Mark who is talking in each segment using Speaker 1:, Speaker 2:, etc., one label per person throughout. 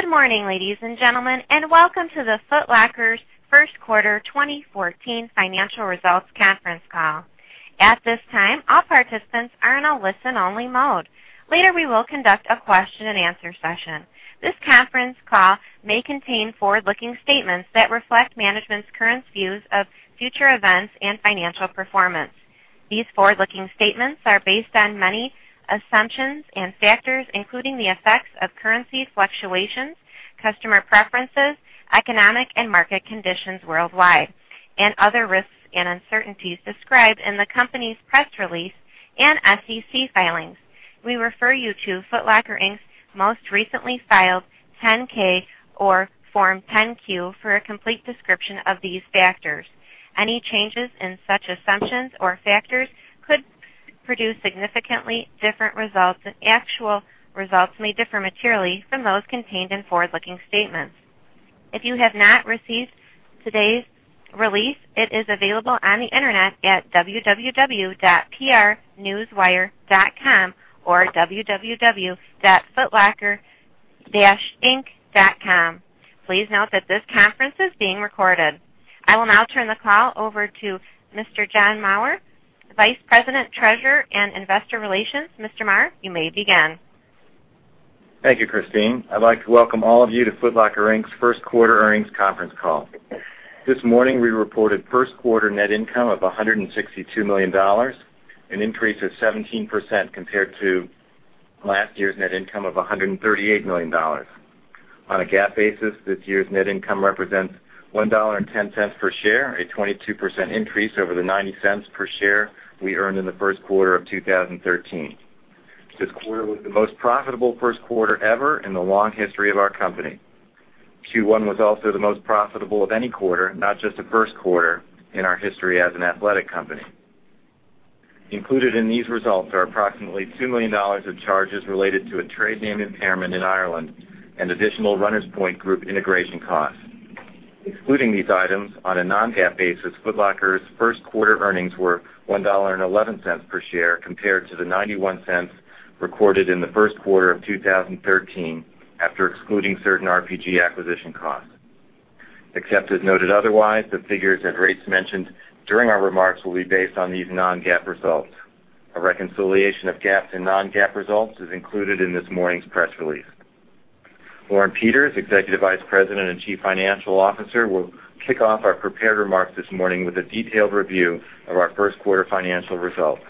Speaker 1: Good morning, ladies and gentlemen, and welcome to the Foot Locker's first quarter 2014 financial results conference call. At this time, all participants are in a listen-only mode. Later, we will conduct a question-and-answer session. This conference call may contain forward-looking statements that reflect management's current views of future events and financial performance. These forward-looking statements are based on many assumptions and factors, including the effects of currency fluctuations, customer preferences, economic and market conditions worldwide, and other risks and uncertainties described in the company's press release and SEC filings. We refer you to Foot Locker, Inc.'s most recently filed 10-K or Form 10-Q for a complete description of these factors. Any changes in such assumptions or factors could produce significantly different results, and actual results may differ materially from those contained in forward-looking statements. If you have not received today's release, it is available on the internet at www.prnewswire.com or www.footlocker-inc.com. Please note that this conference is being recorded. I will now turn the call over to Mr. John Maurer, Vice President, Treasurer, and Investor Relations. Mr. Maurer, you may begin.
Speaker 2: Thank you, Christine. I'd like to welcome all of you to Foot Locker, Inc.'s first-quarter earnings conference call. This morning, we reported first-quarter net income of $162 million, an increase of 17% compared to last year's net income of $138 million. On a GAAP basis, this year's net income represents $1.10 per share, a 22% increase over the $0.90 per share we earned in the first quarter of 2013. This quarter was the most profitable first quarter ever in the long history of our company. Q1 was also the most profitable of any quarter, not just a first quarter, in our history as an athletic company. Included in these results are approximately $2 million of charges related to a trade name impairment in Ireland and additional Runners Point Group integration costs. Excluding these items on a non-GAAP basis, Foot Locker's first-quarter earnings were $1.11 per share compared to the $0.91 recorded in the first quarter of 2013 after excluding certain RPG acquisition costs. Except as noted otherwise, the figures and rates mentioned during our remarks will be based on these non-GAAP results. A reconciliation of GAAP to non-GAAP results is included in this morning's press release. Lauren Peters, Executive Vice President and Chief Financial Officer, will kick off our prepared remarks this morning with a detailed review of our first quarter financial results.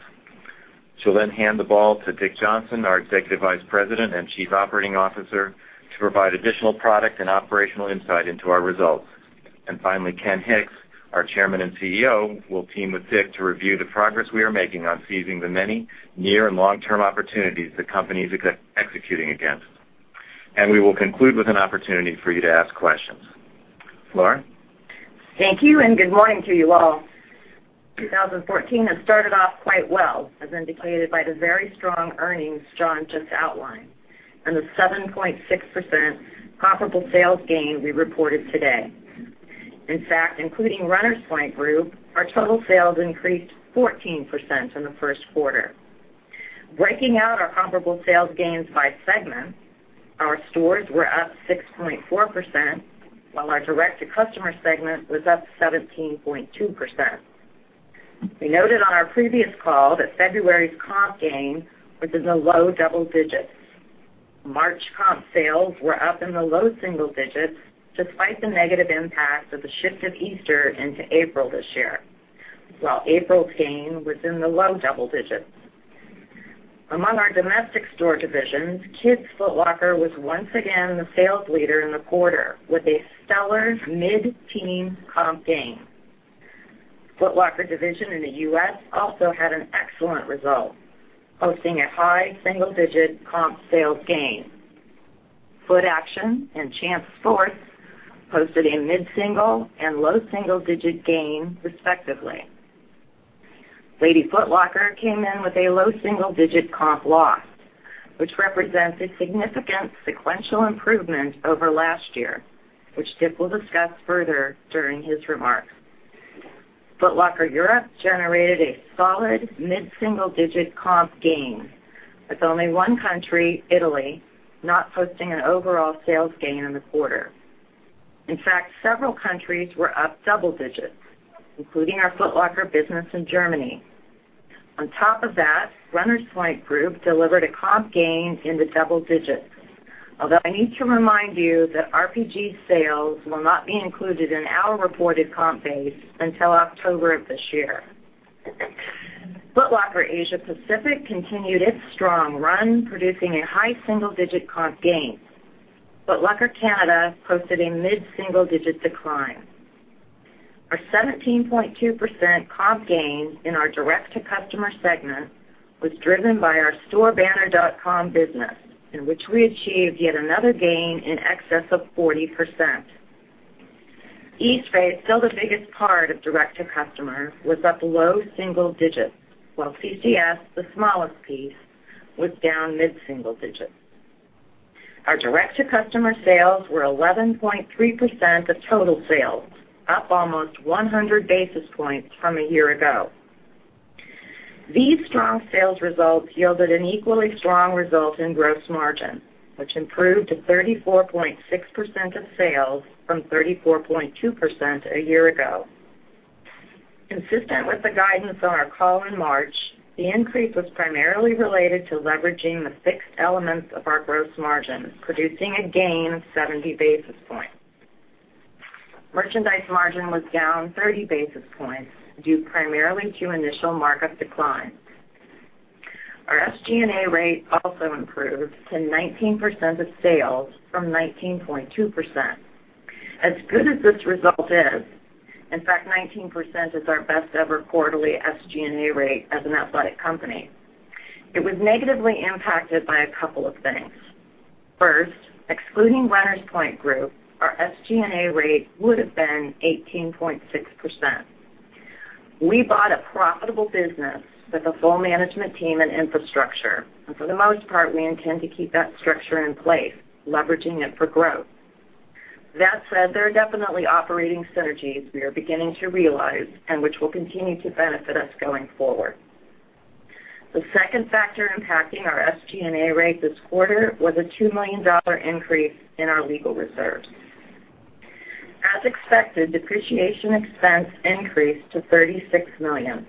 Speaker 2: She'll then hand the ball to Dick Johnson, our Executive Vice President and Chief Operating Officer, to provide additional product and operational insight into our results. Finally, Kenneth Hicks, our Chairman and CEO, will team with Dick to review the progress we are making on seizing the many near and long-term opportunities the company is executing against. We will conclude with an opportunity for you to ask questions. Lauren?
Speaker 3: Thank you. Good morning to you all. 2014 has started off quite well, as indicated by the very strong earnings John just outlined and the 7.6% comparable sales gain we reported today. In fact, including Runners Point Group, our total sales increased 14% in the first quarter. Breaking out our comparable sales gains by segment, our stores were up 6.4%, while our direct-to-customer segment was up 17.2%. We noted on our previous call that February's comp gain was in the low double digits. March comp sales were up in the low single digits, despite the negative impact of the shift of Easter into April this year, while April's gain was in the low double digits. Among our domestic store divisions, Kids Foot Locker was once again the sales leader in the quarter with a stellar mid-teen comp gain. Foot Locker division in the U.S. also had an excellent result, posting a high single-digit comp sales gain. Footaction and Champs Sports posted a mid-single and low single-digit gain, respectively. Lady Foot Locker came in with a low single-digit comp loss, which represents a significant sequential improvement over last year, which Dick will discuss further during his remarks. Foot Locker Europe generated a solid mid-single-digit comp gain, with only one country, Italy, not posting an overall sales gain in the quarter. Several countries were up double digits, including our Foot Locker business in Germany. On top of that, Runners Point Group delivered a comp gain in the double digits. I need to remind you that RPG's sales will not be included in our reported comp base until October of this year. Foot Locker Asia Pacific continued its strong run, producing a high single-digit comp gain. Foot Locker Canada posted a mid-single-digit decline. Our 17.2% comp gain in our direct-to-customer segment was driven by our StoreBanner.com business, in which we achieved yet another gain in excess of 40%. Eastbay, still the biggest part of direct-to-customer, was up low single digits, while CCS, the smallest piece, was down mid-single digits. Our direct-to-customer sales were 11.3% of total sales, up almost 100 basis points from a year ago. These strong sales results yielded an equally strong result in gross margin, which improved to 34.6% of sales from 34.2% a year ago. Consistent with the guidance on our call in March, the increase was primarily related to leveraging the fixed elements of our gross margin, producing a gain of 70 basis points. Merchandise margin was down 30 basis points due primarily to initial markup declines. Our SGA rate also improved to 19% of sales from 19.2%. As good as this result is, in fact, 19% is our best ever quarterly SGA rate as an athletic company. It was negatively impacted by a couple of things. First, excluding Runners Point Group, our SGA rate would've been 18.6%. We bought a profitable business with a full management team and infrastructure, and for the most part, we intend to keep that structure in place, leveraging it for growth. That said, there are definitely operating synergies we are beginning to realize and which will continue to benefit us going forward. The second factor impacting our SGA rate this quarter was a $2 million increase in our legal reserves. As expected, depreciation expense increased to $36 million,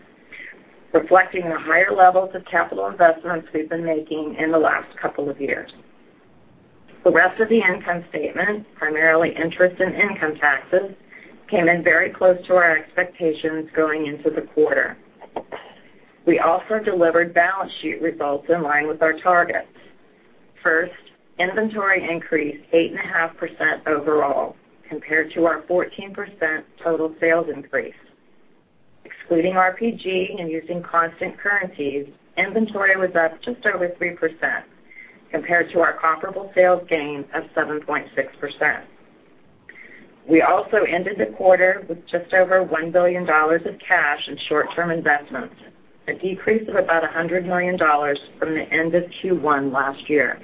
Speaker 3: reflecting the higher levels of capital investments we've been making in the last couple of years. The rest of the income statement, primarily interest and income taxes, came in very close to our expectations going into the quarter. We also delivered balance sheet results in line with our targets. First, inventory increased 8.5% overall compared to our 14% total sales increase. Excluding RPG and using constant currencies, inventory was up just over 3% compared to our comparable sales gain of 7.6%. We also ended the quarter with just over $1 billion of cash and short-term investments, a decrease of about $100 million from the end of Q1 last year.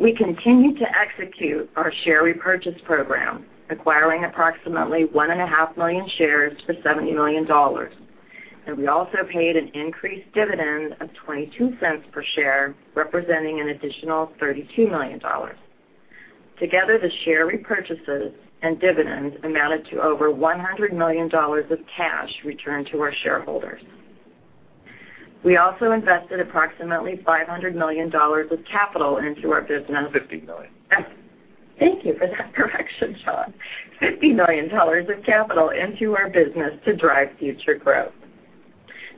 Speaker 3: We continued to execute our share repurchase program, acquiring approximately 1.5 million shares for $70 million, and we also paid an increased dividend of $0.22 per share, representing an additional $32 million. Together, the share repurchases and dividends amounted to over $100 million of cash returned to our shareholders. We also invested approximately $500 million of capital into our business-
Speaker 2: $50 million
Speaker 3: Thank you for that correction, John. $50 million of capital into our business to drive future growth.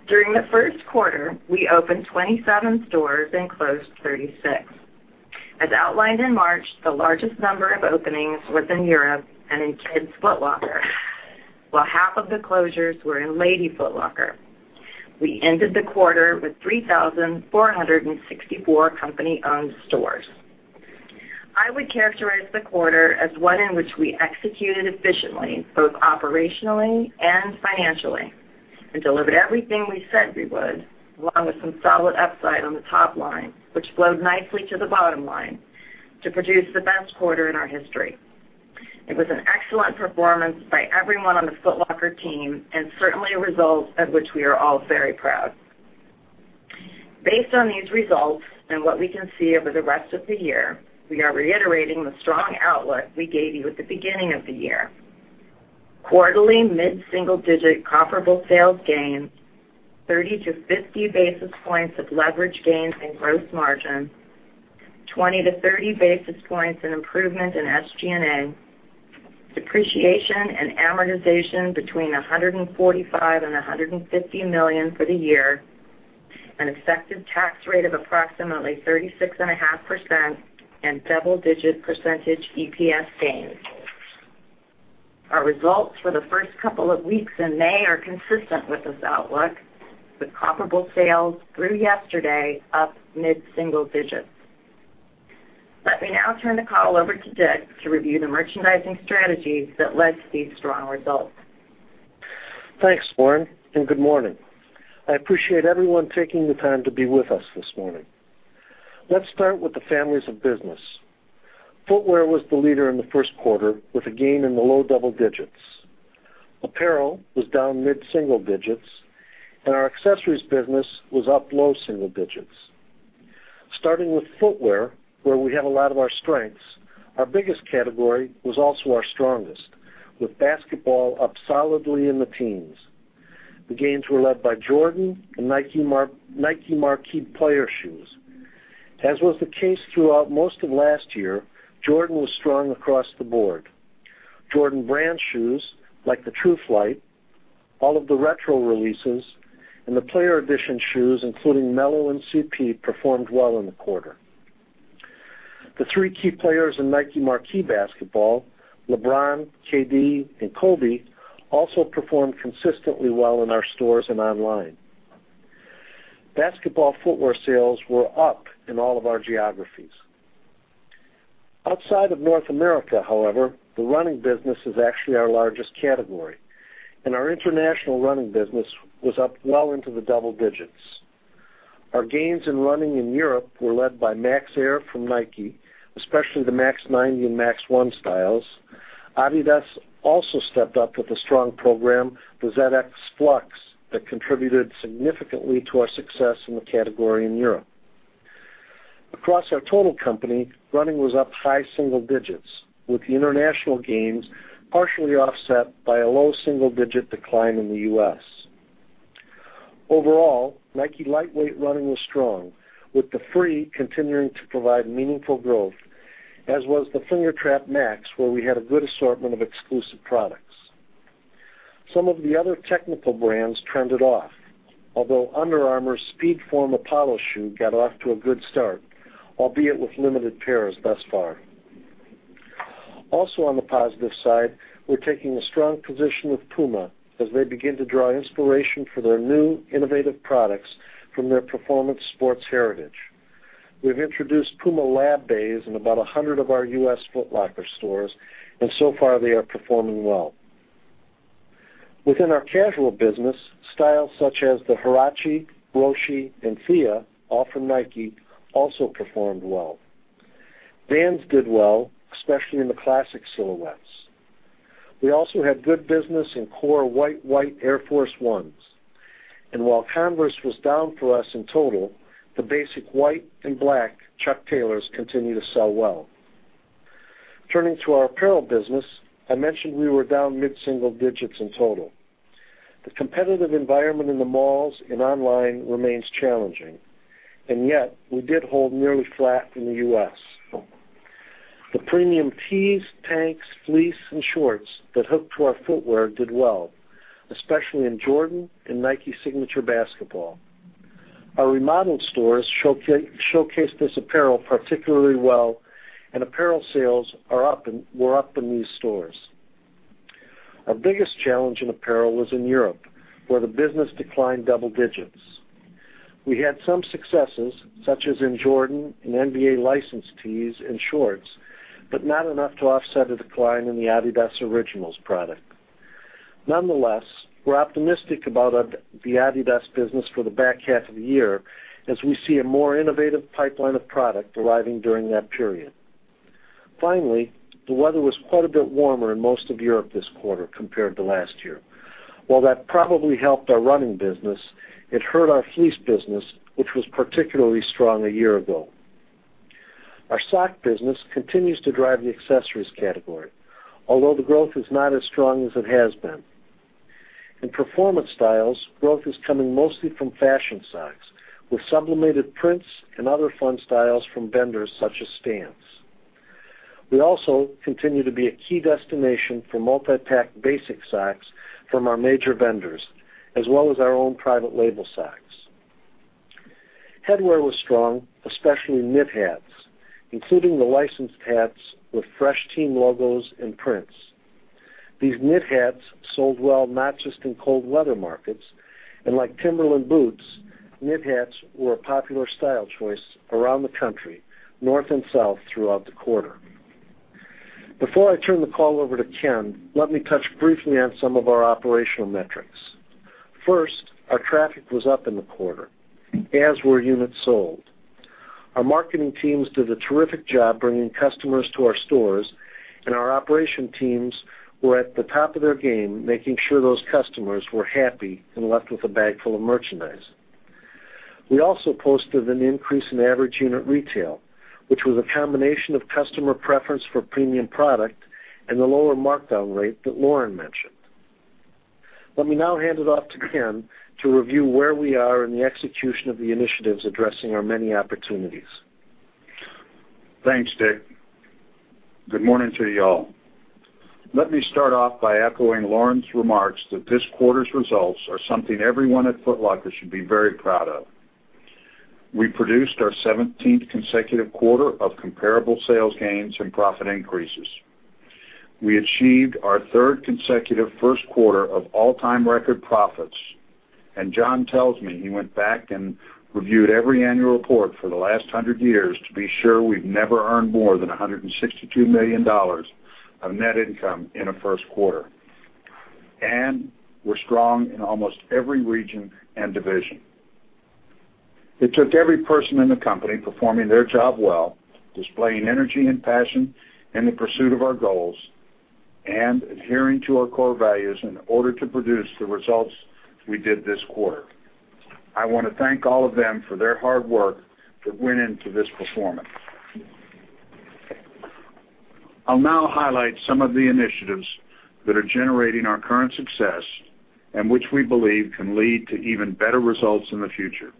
Speaker 3: During the first quarter, we opened 27 stores and closed 36. As outlined in March, the largest number of openings was in Europe and in Kids Foot Locker, while half of the closures were in Lady Foot Locker. We ended the quarter with 3,464 company-owned stores. I would characterize the quarter as one in which we executed efficiently, both operationally and financially, and delivered everything we said we would, along with some solid upside on the top line, which flowed nicely to the bottom line to produce the best quarter in our history. It was an excellent performance by everyone on the Foot Locker team and certainly a result of which we are all very proud. Based on these results and what we can see over the rest of the year, we are reiterating the strong outlook we gave you at the beginning of the year. Quarterly mid-single-digit comparable sales gains, 30 to 50 basis points of leverage gains and gross margin, 20 to 30 basis points in improvement in SGA, depreciation and amortization between $145 million and $150 million for the year, an effective tax rate of approximately 36.5%, and double-digit % EPS gains. Our results for the first couple of weeks in May are consistent with this outlook, with comparable sales through yesterday up mid-single digit. Let me now turn the call over to Dick to review the merchandising strategies that led to these strong results.
Speaker 4: Thanks, Lauren. Good morning. I appreciate everyone taking the time to be with us this morning. Let's start with the families of business. Footwear was the leader in the first quarter with a gain in the low double digits. Apparel was down mid-single digits, and our accessories business was up low single digits. Starting with footwear, where we have a lot of our strengths, our biggest category was also our strongest, with basketball up solidly in the teens. The gains were led by Jordan and Nike marquee player shoes. As was the case throughout most of last year, Jordan was strong across the board. Jordan Brand shoes, like the True Flight, all of the retro releases, and the player edition shoes, including Melo and CP, performed well in the quarter. The three key players in Nike marquee basketball, LeBron, KD, and Kobe, also performed consistently well in our stores and online. Basketball footwear sales were up in all of our geographies. Outside of North America, however, the running business is actually our largest category, and our international running business was up well into the double digits. Our gains in running in Europe were led by Max Air from Nike, especially the Max 90 and Max 1 styles. Adidas also stepped up with a strong program, the ZX Flux, that contributed significantly to our success in the category in Europe. Across our total company, running was up high single digits, with the international gains partially offset by a low single-digit decline in the U.S. Overall, Nike lightweight running was strong, with the Free continuing to provide meaningful growth, as was the Fingertrap Max, where we had a good assortment of exclusive products. Some of the other technical brands trended off. Although Under Armour SpeedForm Apollo shoe got off to a good start, albeit with limited pairs thus far. Also, on the positive side, we're taking a strong position with Puma as they begin to draw inspiration for their new innovative products from their performance sports heritage. We've introduced Puma Lab Days in about 100 of our U.S. Foot Locker stores, and so far they are performing well. Within our casual business, styles such as the Huarache, Roshe, and Thea, all from Nike, also performed well. Vans did well, especially in the classic silhouettes. We also had good business in core white Air Force 1s. While Converse was down for us in total, the basic white and black Chuck Taylors continue to sell well. Turning to our apparel business, I mentioned we were down mid-single digits in total. The competitive environment in the malls and online remains challenging, yet we did hold nearly flat in the U.S. The premium tees, tanks, fleece, and shorts that hook to our footwear did well, especially in Jordan and Nike signature basketball. Our remodeled stores showcase this apparel particularly well, and apparel sales were up in these stores. Our biggest challenge in apparel was in Europe, where the business declined double digits. We had some successes, such as in Jordan and NBA licensed tees and shorts, but not enough to offset a decline in the Adidas Originals product. Nonetheless, we're optimistic about the Adidas business for the back half of the year as we see a more innovative pipeline of product arriving during that period. Finally, the weather was quite a bit warmer in most of Europe this quarter compared to last year. While that probably helped our running business, it hurt our fleece business, which was particularly strong a year ago. Our sock business continues to drive the accessories category, although the growth is not as strong as it has been. In performance styles, growth is coming mostly from fashion socks, with sublimated prints and other fun styles from vendors such as Stance. We also continue to be a key destination for multi-pack basic socks from our major vendors, as well as our own private label socks. Headwear was strong, especially knit hats, including the licensed hats with fresh team logos and prints. These knit hats sold well, not just in cold weather markets, and like Timberland boots, knit hats were a popular style choice around the country, north and south, throughout the quarter. Before I turn the call over to Ken, let me touch briefly on some of our operational metrics. First, our traffic was up in the quarter, as were units sold. Our marketing teams did a terrific job bringing customers to our stores, and our operation teams were at the top of their game, making sure those customers were happy and left with a bag full of merchandise. We also posted an increase in average unit retail, which was a combination of customer preference for premium product and the lower markdown rate that Lauren mentioned. Let me now hand it off to Ken to review where we are in the execution of the initiatives addressing our many opportunities.
Speaker 5: Thanks, Dick. Good morning to you all. Let me start off by echoing Lauren's remarks that this quarter's results are something everyone at Foot Locker should be very proud of. We produced our 17th consecutive quarter of comparable sales gains and profit increases. We achieved our third consecutive first quarter of all-time record profits. John tells me he went back and reviewed every annual report for the last 100 years to be sure we've never earned more than $162 million of net income in a first quarter. We're strong in almost every region and division. It took every person in the company performing their job well, displaying energy and passion in the pursuit of our goals, and adhering to our core values in order to produce the results we did this quarter. I want to thank all of them for their hard work that went into this performance. I'll now highlight some of the initiatives that are generating our current success and which we believe can lead to even better results in the future.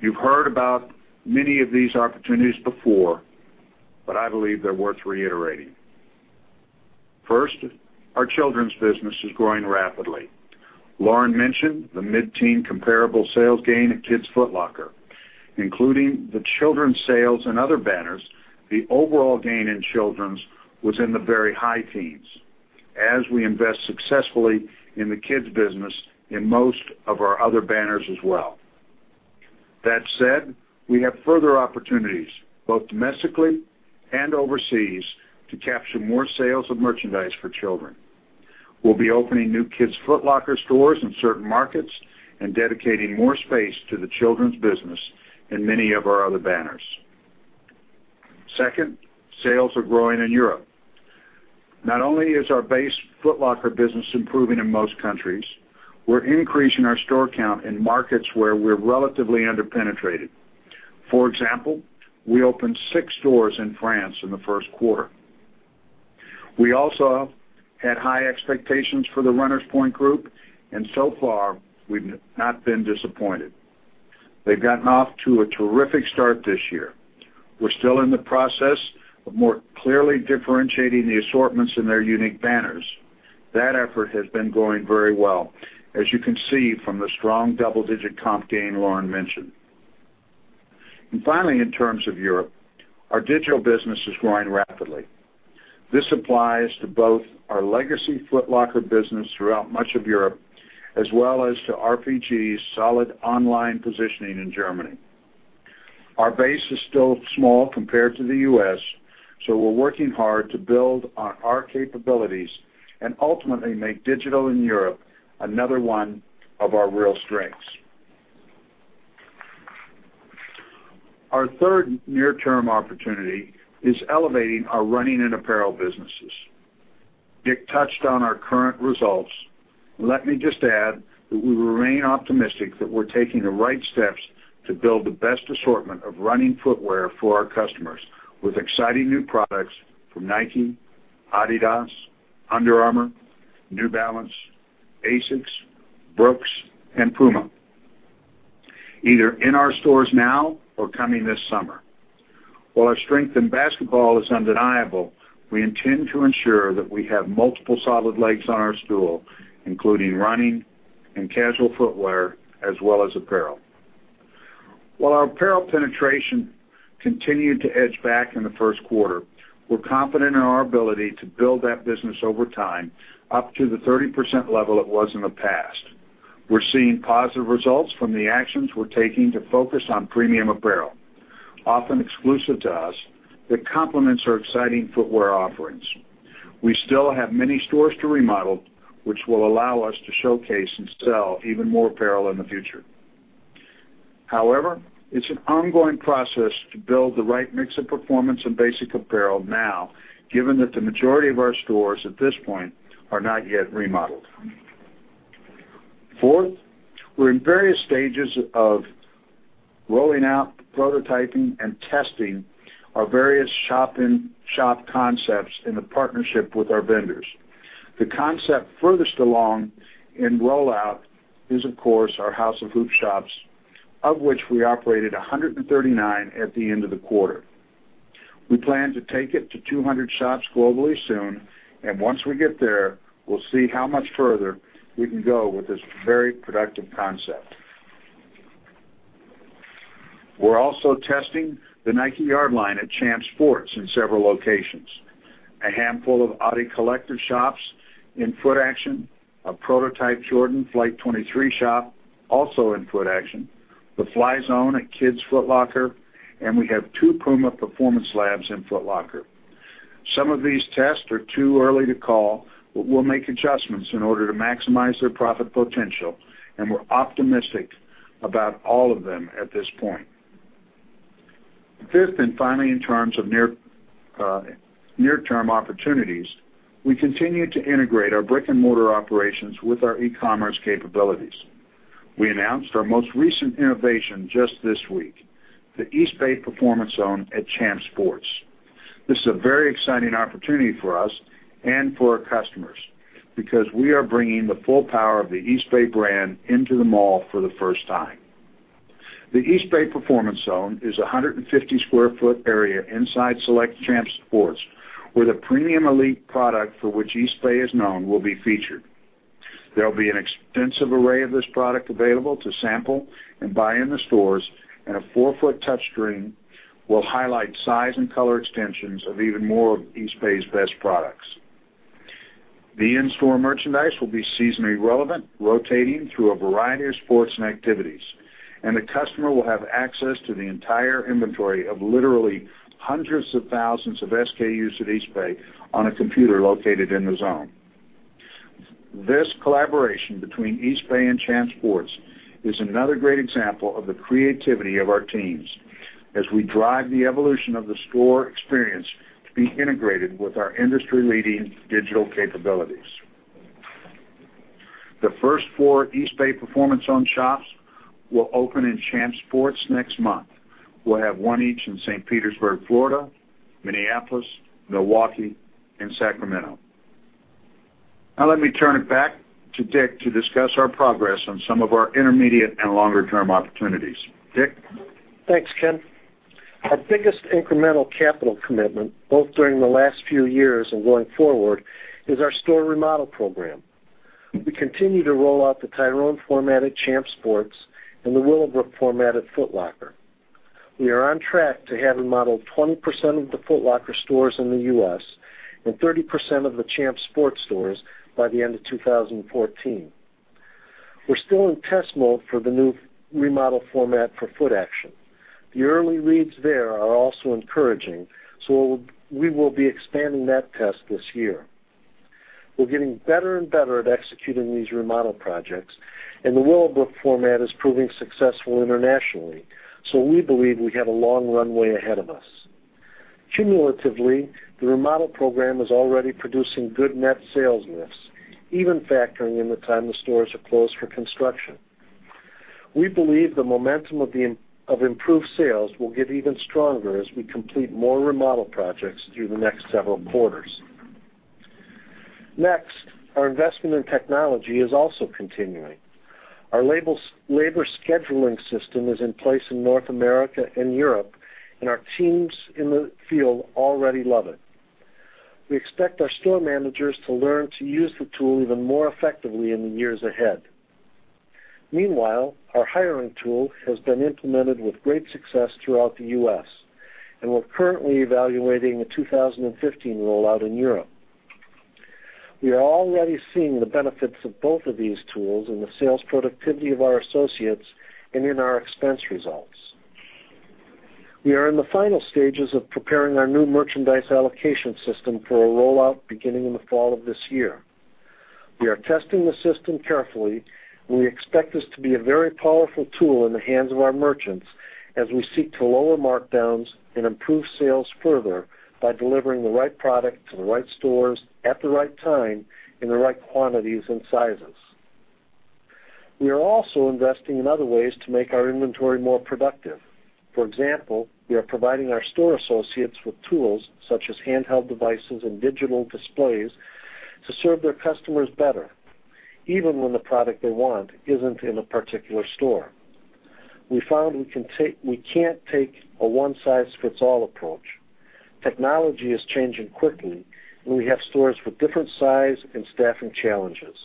Speaker 5: You've heard about many of these opportunities before, but I believe they're worth reiterating. First, our children's business is growing rapidly. Lauren mentioned the mid-teen comparable sales gain at Kids Foot Locker, including the children's sales and other banners. The overall gain in children's was in the very high teens, as we invest successfully in the kids business in most of our other banners as well. That said, we have further opportunities, both domestically and overseas, to capture more sales of merchandise for children. We'll be opening new Kids Foot Locker stores in certain markets and dedicating more space to the children's business in many of our other banners. Second, sales are growing in Europe. Not only is our base Foot Locker business improving in most countries, we're increasing our store count in markets where we're relatively under-penetrated. For example, we opened six stores in France in the first quarter. We also had high expectations for the Runners Point Group, and so far, we've not been disappointed. They've gotten off to a terrific start this year. We're still in the process of more clearly differentiating the assortments in their unique banners. That effort has been going very well, as you can see from the strong double-digit comp gain Lauren mentioned. Finally, in terms of Europe, our digital business is growing rapidly. This applies to both our legacy Foot Locker business throughout much of Europe, as well as to RPG's solid online positioning in Germany. Our base is still small compared to the U.S., so we're working hard to build on our capabilities and ultimately make digital in Europe another one of our real strengths. Our third near-term opportunity is elevating our running and apparel businesses. Dick touched on our current results. Let me just add that we remain optimistic that we're taking the right steps to build the best assortment of running footwear for our customers, with exciting new products from Nike, Adidas, Under Armour, New Balance, ASICS, Brooks, and Puma, either in our stores now or coming this summer. While our strength in basketball is undeniable, we intend to ensure that we have multiple solid legs on our stool, including running and casual footwear, as well as apparel. While our apparel penetration continued to edge back in the first quarter, we're confident in our ability to build that business over time up to the 30% level it was in the past. We're seeing positive results from the actions we're taking to focus on premium apparel, often exclusive to us, that complements our exciting footwear offerings. We still have many stores to remodel, which will allow us to showcase and sell even more apparel in the future. However, it's an ongoing process to build the right mix of performance and basic apparel now, given that the majority of our stores at this point are not yet remodeled. Fourth, we're in various stages of rolling out prototyping and testing our various shop-in-shop concepts in partnership with our vendors. The concept furthest along in rollout is, of course, our House of Hoops shops, of which we operated 139 at the end of the quarter. We plan to take it to 200 shops globally soon. Once we get there, we'll see how much further we can go with this very productive concept. We're also testing the Nike Yardline at Champs Sports in several locations. A handful of adiCollector shops in Footaction, a prototype Jordan Flight 23 shop also in Footaction, the Fly Zone at Kids Foot Locker, and we have two Puma Performance Labs in Foot Locker. Some of these tests are too early to call, but we'll make adjustments in order to maximize their profit potential, and we're optimistic about all of them at this point. Fifth, in terms of near-term opportunities, we continue to integrate our brick-and-mortar operations with our e-commerce capabilities. We announced our most recent innovation just this week, the Eastbay Performance Zone at Champs Sports. This is a very exciting opportunity for us and for our customers because we are bringing the full power of the Eastbay brand into the mall for the first time. The Eastbay Performance Zone is a 150-square-foot area inside select Champs Sports, where the premium elite product for which Eastbay is known will be featured. There'll be an extensive array of this product available to sample and buy in the stores, and a four-foot touchscreen will highlight size and color extensions of even more of Eastbay's best products. The in-store merchandise will be seasonally relevant, rotating through a variety of sports and activities, and the customer will have access to the entire inventory of literally hundreds of thousands of SKUs at Eastbay on a computer located in the zone. This collaboration between Eastbay and Champs Sports is another great example of the creativity of our teams as we drive the evolution of the store experience to be integrated with our industry-leading digital capabilities. The first four Eastbay Performance Zone shops will open in Champs Sports next month. We'll have one each in St. Petersburg, Florida, Minneapolis, Milwaukee, and Sacramento. Let me turn it back to Dick to discuss our progress on some of our intermediate and longer-term opportunities. Dick?
Speaker 4: Thanks, Ken. Our biggest incremental capital commitment, both during the last few years and going forward, is our store remodel program. We continue to roll out the Tyrone format at Champs Sports and the Willowbrook format at Foot Locker. We are on track to have remodeled 20% of the Foot Locker stores in the U.S. and 30% of the Champs Sports stores by the end of 2014. We are still in test mode for the new remodel format for Footaction. The early reads there are also encouraging. We will be expanding that test this year. We are getting better and better at executing these remodel projects, and the Willowbrook format is proving successful internationally. We believe we have a long runway ahead of us. Cumulatively, the remodel program is already producing good net sales lifts, even factoring in the time the stores are closed for construction. We believe the momentum of improved sales will get even stronger as we complete more remodel projects through the next several quarters. Next, our investment in technology is also continuing. Our labor scheduling system is in place in North America and Europe, and our teams in the field already love it. We expect our store managers to learn to use the tool even more effectively in the years ahead. Meanwhile, our hiring tool has been implemented with great success throughout the U.S., and we are currently evaluating a 2015 rollout in Europe. We are already seeing the benefits of both of these tools in the sales productivity of our associates and in our expense results. We are in the final stages of preparing our new merchandise allocation system for a rollout beginning in the fall of this year. We are testing the system carefully, and we expect this to be a very powerful tool in the hands of our merchants as we seek to lower markdowns and improve sales further by delivering the right product to the right stores at the right time in the right quantities and sizes. We are also investing in other ways to make our inventory more productive. For example, we are providing our store associates with tools such as handheld devices and digital displays to serve their customers better, even when the product they want is not in a particular store. We found we cannot take a one-size-fits-all approach. Technology is changing quickly, and we have stores with different size and staffing challenges.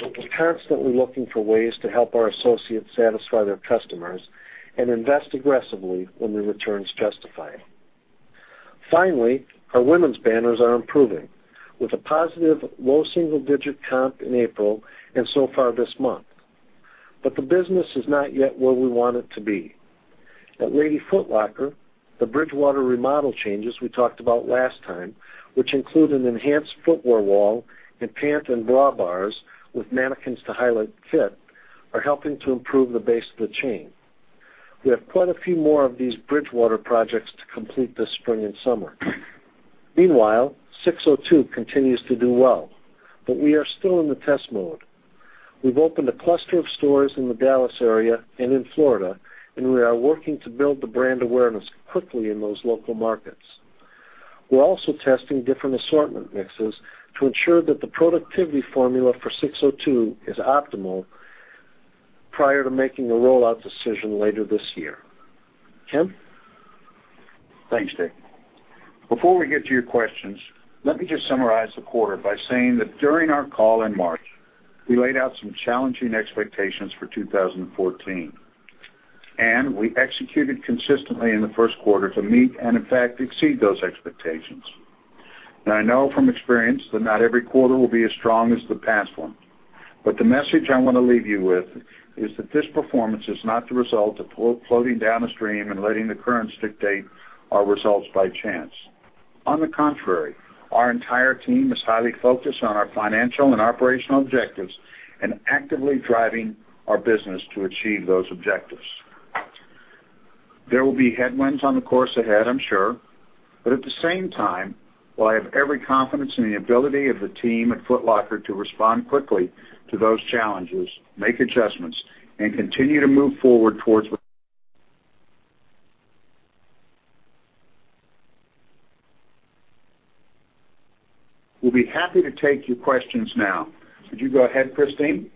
Speaker 4: We are constantly looking for ways to help our associates satisfy their customers and invest aggressively when the returns justify it. Finally, our women's banners are improving with a positive low single-digit comp in April and so far this month. The business is not yet where we want it to be. At Lady Foot Locker, the Bridgewater remodel changes we talked about last time, which include an enhanced footwear wall and pant and bra bars with mannequins to highlight fit, are helping to improve the base of the chain. We have quite a few more of these Bridgewater projects to complete this spring and summer. Meanwhile, SIX:02 continues to do well, but we are still in the test mode. We have opened a cluster of stores in the Dallas area and in Florida, and we are working to build the brand awareness quickly in those local markets. We're also testing different assortment mixes to ensure that the productivity formula for SIX:02 is optimal prior to making a rollout decision later this year. Ken?
Speaker 5: Thanks, Dick. Before we get to your questions, let me just summarize the quarter by saying that during our call in March, we laid out some challenging expectations for 2014. We executed consistently in the first quarter to meet and in fact, exceed those expectations. Now, I know from experience that not every quarter will be as strong as the past one. The message I want to leave you with is that this performance is not the result of floating down a stream and letting the currents dictate our results by chance. On the contrary, our entire team is highly focused on our financial and operational objectives and actively driving our business to achieve those objectives. There will be headwinds on the course ahead, I'm sure. At the same time, while I have every confidence in the ability of the team at Foot Locker to respond quickly to those challenges, make adjustments, and continue to move forward. We'll be happy to take your questions now. Would you go ahead, Christine?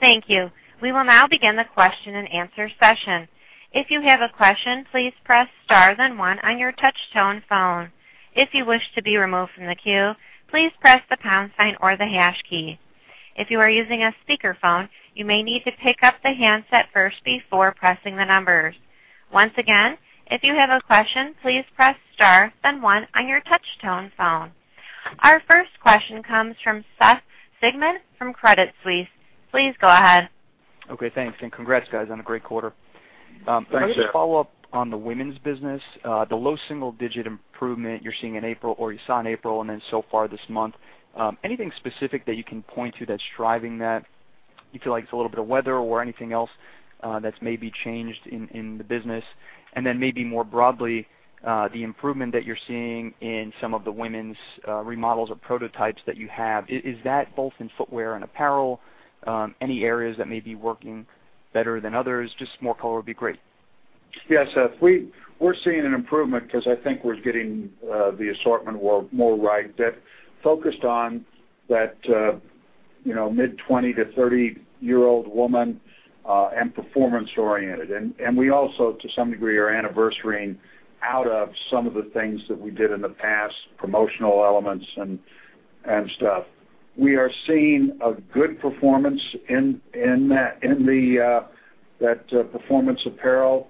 Speaker 1: Thank you. We will now begin the question and answer session. If you have a question, please press star then one on your touch-tone phone. If you wish to be removed from the queue, please press the pound sign or the hash key. If you are using a speakerphone, you may need to pick up the handset first before pressing the numbers. Once again, if you have a question, please press star then one on your touch-tone phone. Our first question comes from Seth Sigman from Credit Suisse. Please go ahead.
Speaker 6: Okay, thanks. Congrats, guys, on a great quarter.
Speaker 5: Thanks, Seth.
Speaker 6: I wanted to follow up on the women's business. The low single-digit improvement you saw in April and then so far this month. Anything specific that you can point to that's driving that? You feel like it's a little bit of weather or anything else that's maybe changed in the business? Then maybe more broadly, the improvement that you're seeing in some of the women's remodels or prototypes that you have. Is that both in footwear and apparel? Any areas that may be working better than others? Just more color would be great.
Speaker 5: Yeah, Seth, we're seeing an improvement because I think we're getting the assortment more right, focused on that mid 20-30-year-old woman and performance-oriented. We also, to some degree, are anniversarying out of some of the things that we did in the past, promotional elements and stuff. We are seeing a good performance in the performance apparel,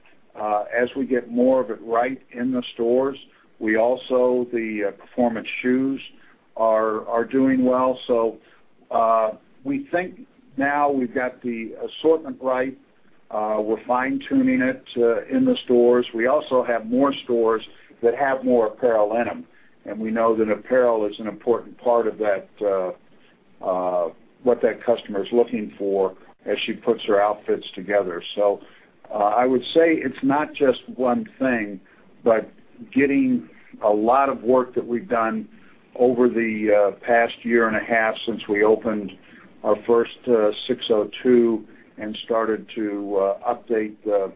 Speaker 5: as we get more of it right in the stores, the performance shoes are doing well. We think now we've got the assortment right. We're fine-tuning it in the stores. We also have more stores that have more apparel in them, and we know that apparel is an important part of what that customer is looking for as she puts her outfits together. I would say it's not just one thing, but getting a lot of work that we've done over the past year and a half since we opened our first SIX:02 and started to update the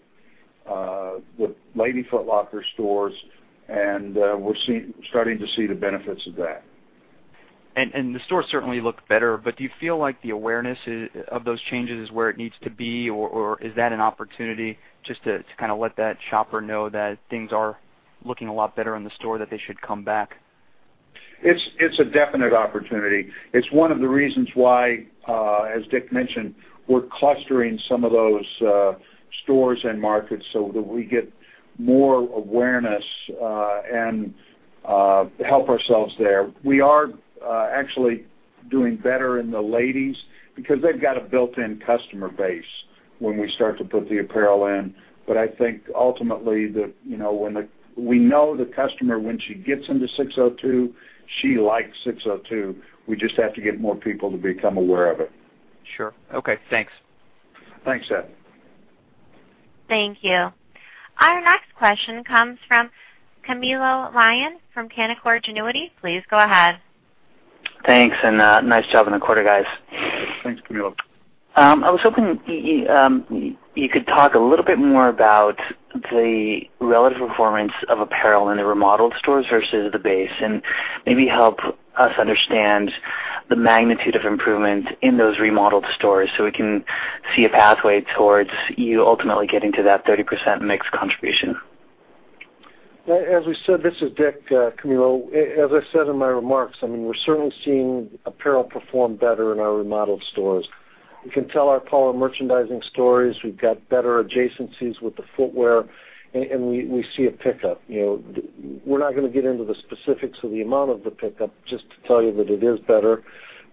Speaker 5: Lady Foot Locker stores, we're starting to see the benefits of that.
Speaker 6: The stores certainly look better, do you feel like the awareness of those changes is where it needs to be, is that an opportunity just to let that shopper know that things are looking a lot better in the store, that they should come back?
Speaker 5: It's a definite opportunity. It's one of the reasons why, as Dick mentioned, we're clustering some of those stores and markets so that we get more awareness and help ourselves there. We are actually doing better in the ladies because they've got a built-in customer base when we start to put the apparel in. I think ultimately, we know the customer, when she gets into SIX:02, she likes SIX:02. We just have to get more people to become aware of it.
Speaker 6: Sure. Okay, thanks.
Speaker 5: Thanks, Seth.
Speaker 1: Thank you. Our next question comes from Camilo Lyon from Canaccord Genuity. Please go ahead.
Speaker 7: Thanks, nice job on the quarter, guys.
Speaker 5: Thanks, Camilo.
Speaker 7: I was hoping you could talk a little bit more about the relative performance of apparel in the remodeled stores versus the base, and maybe help us understand the magnitude of improvement in those remodeled stores so we can see a pathway towards you ultimately getting to that 30% mix contribution.
Speaker 4: As we said, this is Dick, Camilo. As I said in my remarks, we're certainly seeing apparel perform better in our remodeled stores. You can tell our power merchandising stories. We've got better adjacencies with the footwear, and we see a pickup. We're not going to get into the specifics of the amount of the pickup, just to tell you that it is better.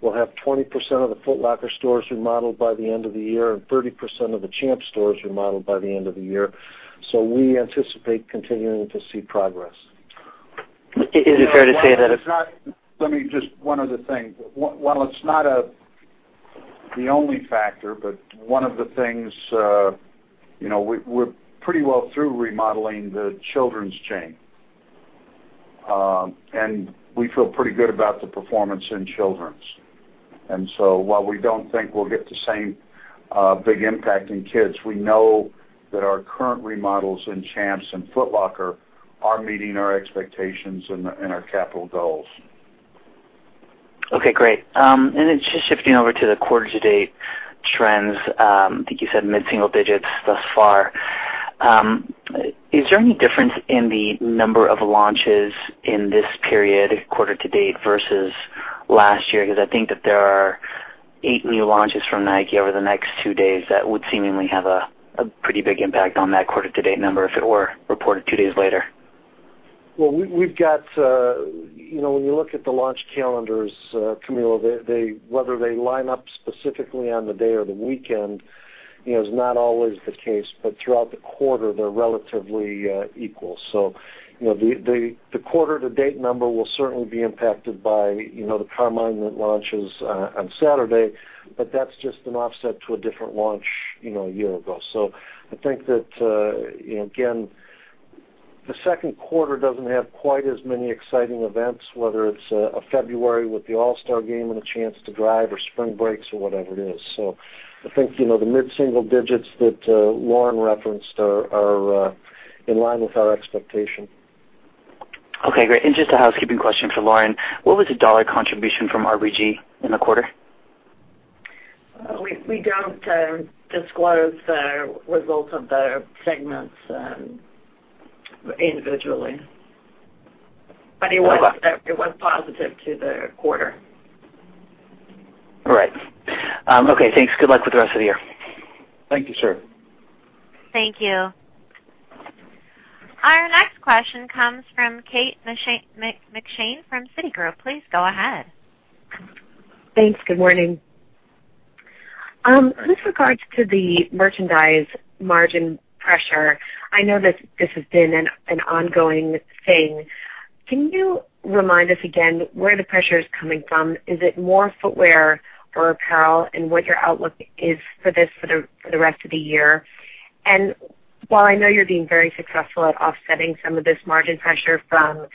Speaker 4: We'll have 20% of the Foot Locker stores remodeled by the end of the year and 30% of the Champs stores remodeled by the end of the year. We anticipate continuing to see progress.
Speaker 7: Is it fair to say that-
Speaker 4: Let me one other thing. While it's not the only factor, but one of the things, we're pretty well through remodeling the Children's chain. We feel pretty good about the performance in Children's. While we don't think we'll get the same big impact in kids, we know that our current remodels in Champs and Foot Locker are meeting our expectations and our capital goals.
Speaker 7: Okay, great. Just shifting over to the quarter-to-date trends. I think you said mid-single digits thus far. Is there any difference in the number of launches in this period, quarter to date versus last year? I think that there are eight new launches from Nike over the next two days that would seemingly have a pretty big impact on that quarter-to-date number if it were reported two days later.
Speaker 4: When you look at the launch calendars, Camilo, whether they line up specifically on the day or the weekend, is not always the case. Throughout the quarter, they're relatively equal. The quarter-to-date number will certainly be impacted by the Powerlines that launches on Saturday, but that's just an offset to a different launch a year ago. I think that, again, the second quarter doesn't have quite as many exciting events, whether it's February with the All-Star Game and a chance to drive or spring breaks or whatever it is. I think, the mid-single digits that Lauren referenced are in line with our expectation.
Speaker 7: Okay, great. Just a housekeeping question for Lauren. What was the dollar contribution from RPG in the quarter?
Speaker 3: We don't disclose the results of the segments individually. It was positive to the quarter.
Speaker 7: All right. Okay, thanks. Good luck with the rest of the year.
Speaker 5: Thank you, sir.
Speaker 1: Thank you. Our next question comes from Kate McShane from Citigroup. Please go ahead.
Speaker 8: Thanks. Good morning. With regards to the merchandise margin pressure, I know that this has been an ongoing thing. Can you remind us again where the pressure is coming from? Is it more footwear or apparel, and what your outlook is for this for the rest of the year? While I know you're being very successful at offsetting some of this margin pressure from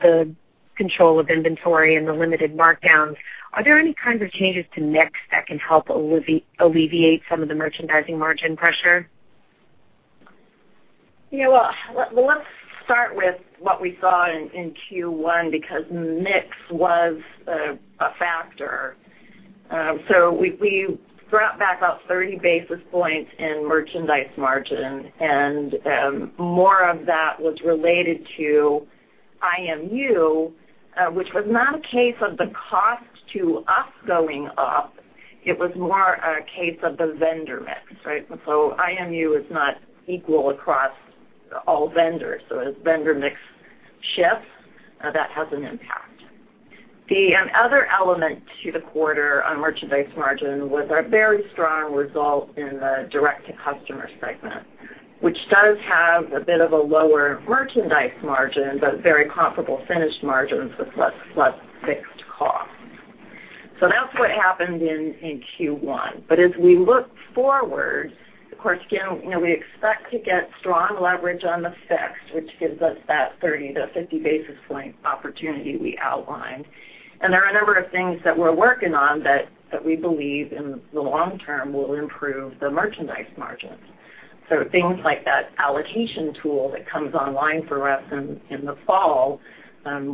Speaker 8: the control of inventory and the limited markdowns, are there any kinds of changes to mix that can help alleviate some of the merchandising margin pressure?
Speaker 3: Let's start with what we saw in Q1. Mix was a factor. We brought back up 30 basis points in merchandise margin, more of that was related to IMU, which was not a case of the cost to us going up, it was more a case of the vendor mix. IMU is not equal across all vendors. As vendor mix shifts, that has an impact. The other element to the quarter on merchandise margin was our very strong result in the direct-to-customer segment, which does have a bit of a lower merchandise margin, but very comparable finished margins with less fixed costs. That's what happened in Q1. As we look forward, of course, we expect to get strong leverage on the fixed, which gives us that 30-50 basis point opportunity we outlined. There are a number of things that we're working on that we believe in the long term will improve the merchandise margins. Things like that allocation tool that comes online for us in the fall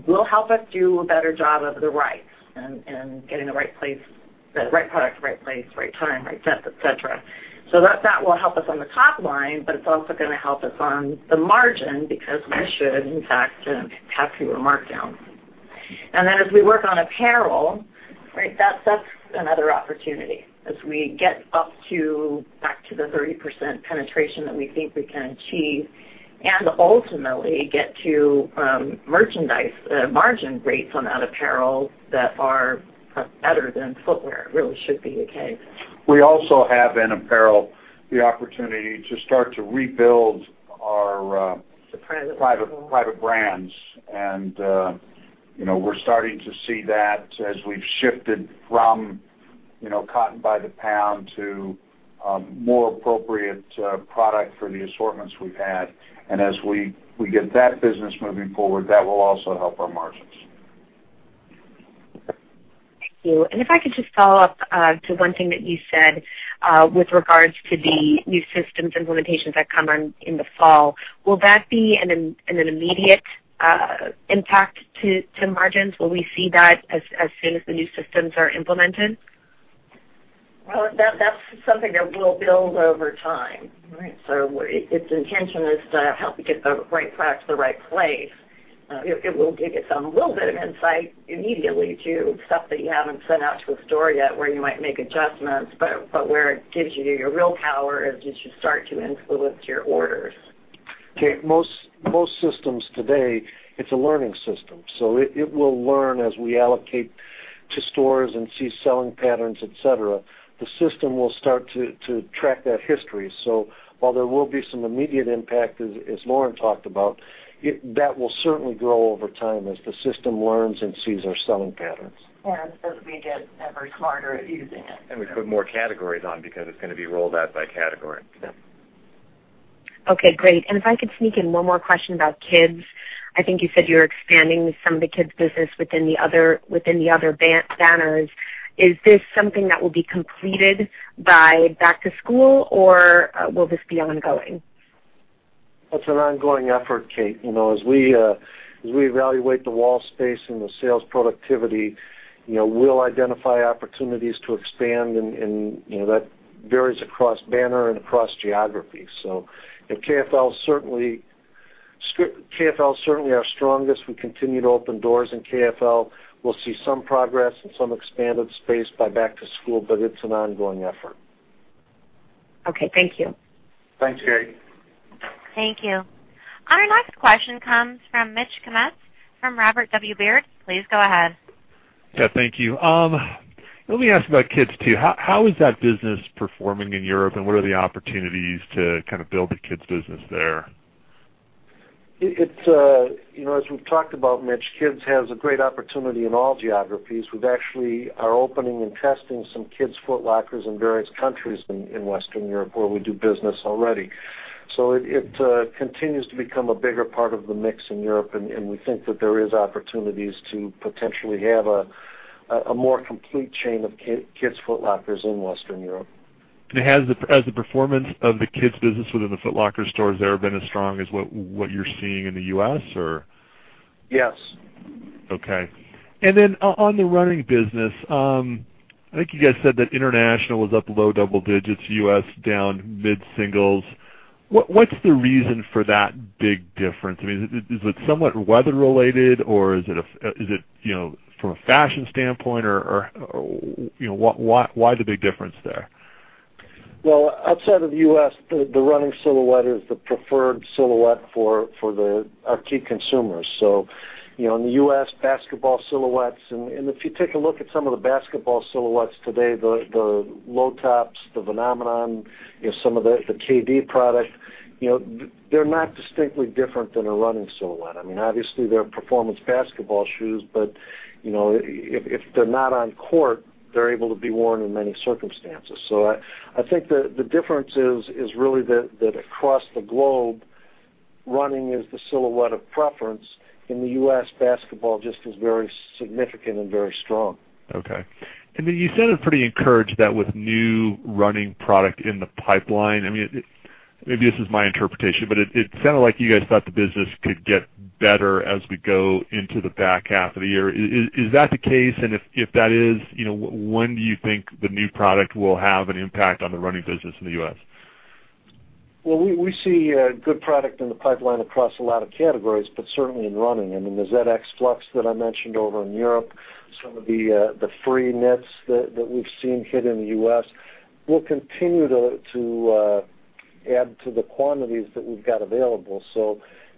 Speaker 3: will help us do a better job of the rights and getting the right product, right place, right time, right depth, et cetera. That will help us on the top line, it's also going to help us on the margin because we should, in fact, have fewer markdowns. As we work on apparel, that's another opportunity as we get back to the 30% penetration that we think we can achieve and ultimately get to merchandise margin rates on that apparel that are better than footwear. It really should be the case.
Speaker 4: We also have in apparel the opportunity to start to rebuild our.
Speaker 3: Private label
Speaker 4: private brands. We're starting to see that as we've shifted from cotton by the pound to more appropriate product for the assortments we've had. As we get that business moving forward, that will also help our margins.
Speaker 8: Thank you. If I could just follow up to one thing that you said with regards to the new systems implementations that come on in the fall. Will that be an immediate impact to margins? Will we see that as soon as the new systems are implemented?
Speaker 3: Well, that's something that we'll build over time. Its intention is to help you get the right product to the right place. It will give us a little bit of insight immediately to stuff that you haven't sent out to a store yet where you might make adjustments, but where it gives you your real power is as you start to influence your orders.
Speaker 4: Kate, most systems today, it's a learning system. It will learn as we allocate to stores and see selling patterns, et cetera. The system will start to track that history. While there will be some immediate impact, as Lauren talked about, that will certainly grow over time as the system learns and sees our selling patterns.
Speaker 3: Yeah, as we get ever smarter at using it.
Speaker 2: We put more categories on because it's going to be rolled out by category.
Speaker 8: Okay, great. If I could sneak in one more question about Kids. I think you said you're expanding some of the Kids business within the other banners. Is this something that will be completed by back to school or will this be ongoing?
Speaker 4: It's an ongoing effort, Kate. As we evaluate the wall space and the sales productivity, we'll identify opportunities to expand and that varies across banner and across geographies. KFL is certainly our strongest. We continue to open doors in KFL. We'll see some progress and some expanded space by back to school, but it's an ongoing effort.
Speaker 8: Okay, thank you.
Speaker 4: Thanks, Kate.
Speaker 1: Thank you. Our next question comes from Mitch Kummetz from Robert W. Baird. Please go ahead.
Speaker 9: Yeah, thank you. Let me ask about Kids too. How is that business performing in Europe and what are the opportunities to kind of build the Kids business there?
Speaker 4: As we've talked about, Mitch, Kids has a great opportunity in all geographies. We actually are opening and testing some Kids Foot Locker in various countries in Western Europe where we do business already. It continues to become a bigger part of the mix in Europe, and we think that there is opportunities to potentially have a more complete chain of Kids Foot Locker in Western Europe.
Speaker 9: Has the performance of the Kids business within the Foot Locker stores there been as strong as what you're seeing in the U.S. or?
Speaker 4: Yes.
Speaker 9: Okay. On the running business, I think you guys said that international was up low double digits, U.S. down mid singles. What's the reason for that big difference? Is it somewhat weather related or is it from a fashion standpoint or why the big difference there?
Speaker 4: Well, outside of the U.S., the running silhouette is the preferred silhouette for our key consumers. In the U.S., basketball silhouettes, and if you take a look at some of the basketball silhouettes today, the low tops, the Venomenon, some of the KD product, they're not distinctly different than a running silhouette. Obviously, they're performance basketball shoes, but if they're not on court, they're able to be worn in many circumstances. I think the difference is really that across the globe, running is the silhouette of preference. In the U.S., basketball just is very significant and very strong.
Speaker 9: Okay. You sounded pretty encouraged that with new running product in the pipeline, maybe this is my interpretation, but it sounded like you guys thought the business could get better as we go into the back half of the year. Is that the case? If that is, when do you think the new product will have an impact on the running business in the U.S.?
Speaker 4: Well, we see a good product in the pipeline across a lot of categories, but certainly in running. The ZX Flux that I mentioned over in Europe, some of the free knits that we've seen hit in the U.S. We'll continue to add to the quantities that we've got available.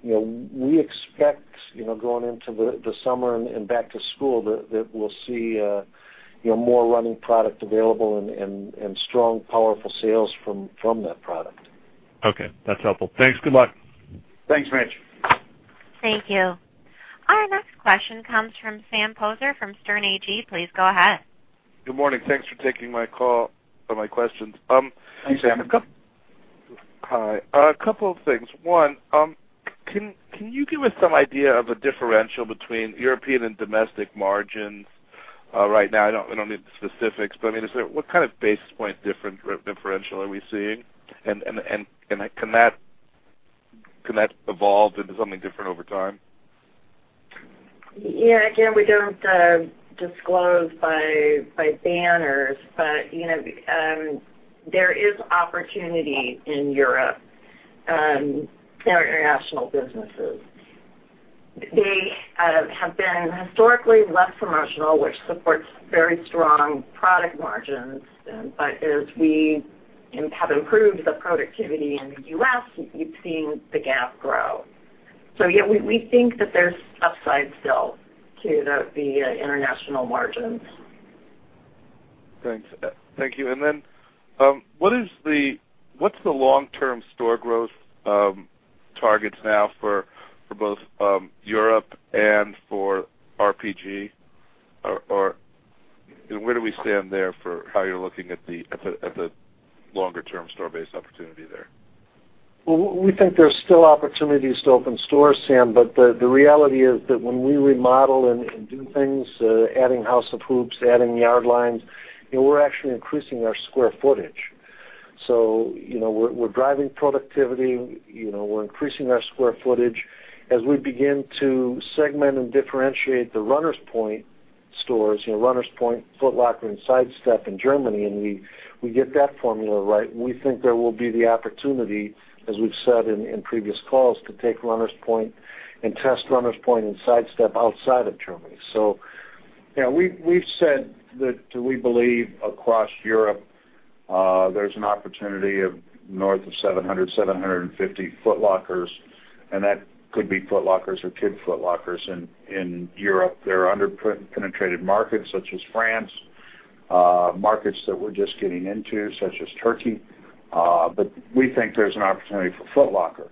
Speaker 4: We expect, going into the summer and back to school, that we'll see more running product available and strong, powerful sales from that product.
Speaker 5: Okay. That's helpful. Thanks. Good luck.
Speaker 4: Thanks, Mitch.
Speaker 1: Thank you. Our next question comes from Sam Poser from Sterne Agee. Please go ahead.
Speaker 10: Good morning. Thanks for taking my call or my questions.
Speaker 4: Thanks, Sam.
Speaker 10: Hi. A couple of things. One, can you give us some idea of a differential between European and domestic margins right now? I don't need the specifics, but what kind of basis point differential are we seeing? Can that evolve into something different over time?
Speaker 3: Again, we don't disclose by banners. There is opportunity in Europe, in our international businesses. They have been historically less promotional, which supports very strong product margins. As we have improved the productivity in the U.S., you've seen the gap grow. Yeah, we think that there's upside still to the international margins.
Speaker 10: Thanks. Thank you. Then, what's the long-term store growth targets now for both Europe and for RPG? Where do we stand there for how you're looking at the longer-term store base opportunity there?
Speaker 4: Well, we think there's still opportunities to open stores, Sam, but the reality is that when we remodel and do things, adding House of Hoops, adding Yardlines, we're actually increasing our square footage. We're driving productivity, we're increasing our square footage. As we begin to segment and differentiate the Runners Point stores, Runners Point, Foot Locker, and Sidestep in Germany, and we get that formula right, we think there will be the opportunity, as we've said in previous calls, to take Runners Point and test Runners Point and Sidestep outside of Germany.
Speaker 5: We've said that we believe across Europe, there's an opportunity of north of 700, 750 Foot Lockers, and that could be Foot Lockers or Kids Foot Lockers in Europe. There are under-penetrated markets such as France, markets that we're just getting into, such as Turkey. We think there's an opportunity for Foot Locker.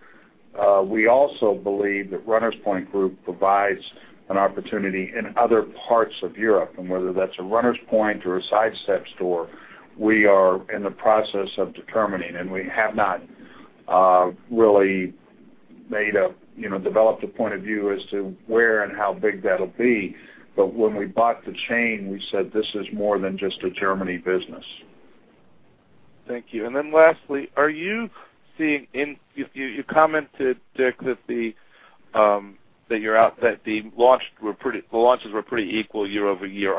Speaker 5: We also believe that Runners Point Group provides an opportunity in other parts of Europe, and whether that's a Runners Point or a Sidestep store, we are in the process of determining, and we have not really developed a point of view as to where and how big that'll be. When we bought the chain, we said, "This is more than just a Germany business.
Speaker 10: Thank you. Lastly, you commented, Dick, that the launches were pretty equal year-over-year.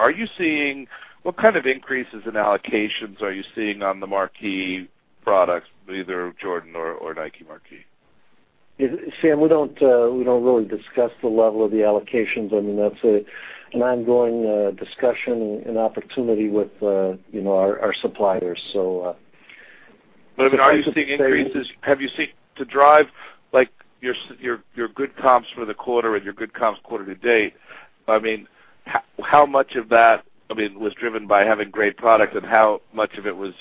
Speaker 10: What kind of increases in allocations are you seeing on the Marquee products, either Jordan or Nike Marquee?
Speaker 4: Sam, we don't really discuss the level of the allocations. That's an ongoing discussion and opportunity with our suppliers.
Speaker 10: Are you seeing increases? To drive your good comps for the quarter and your good comps quarter-to-date, how much of that was driven by having great product, and how much of it was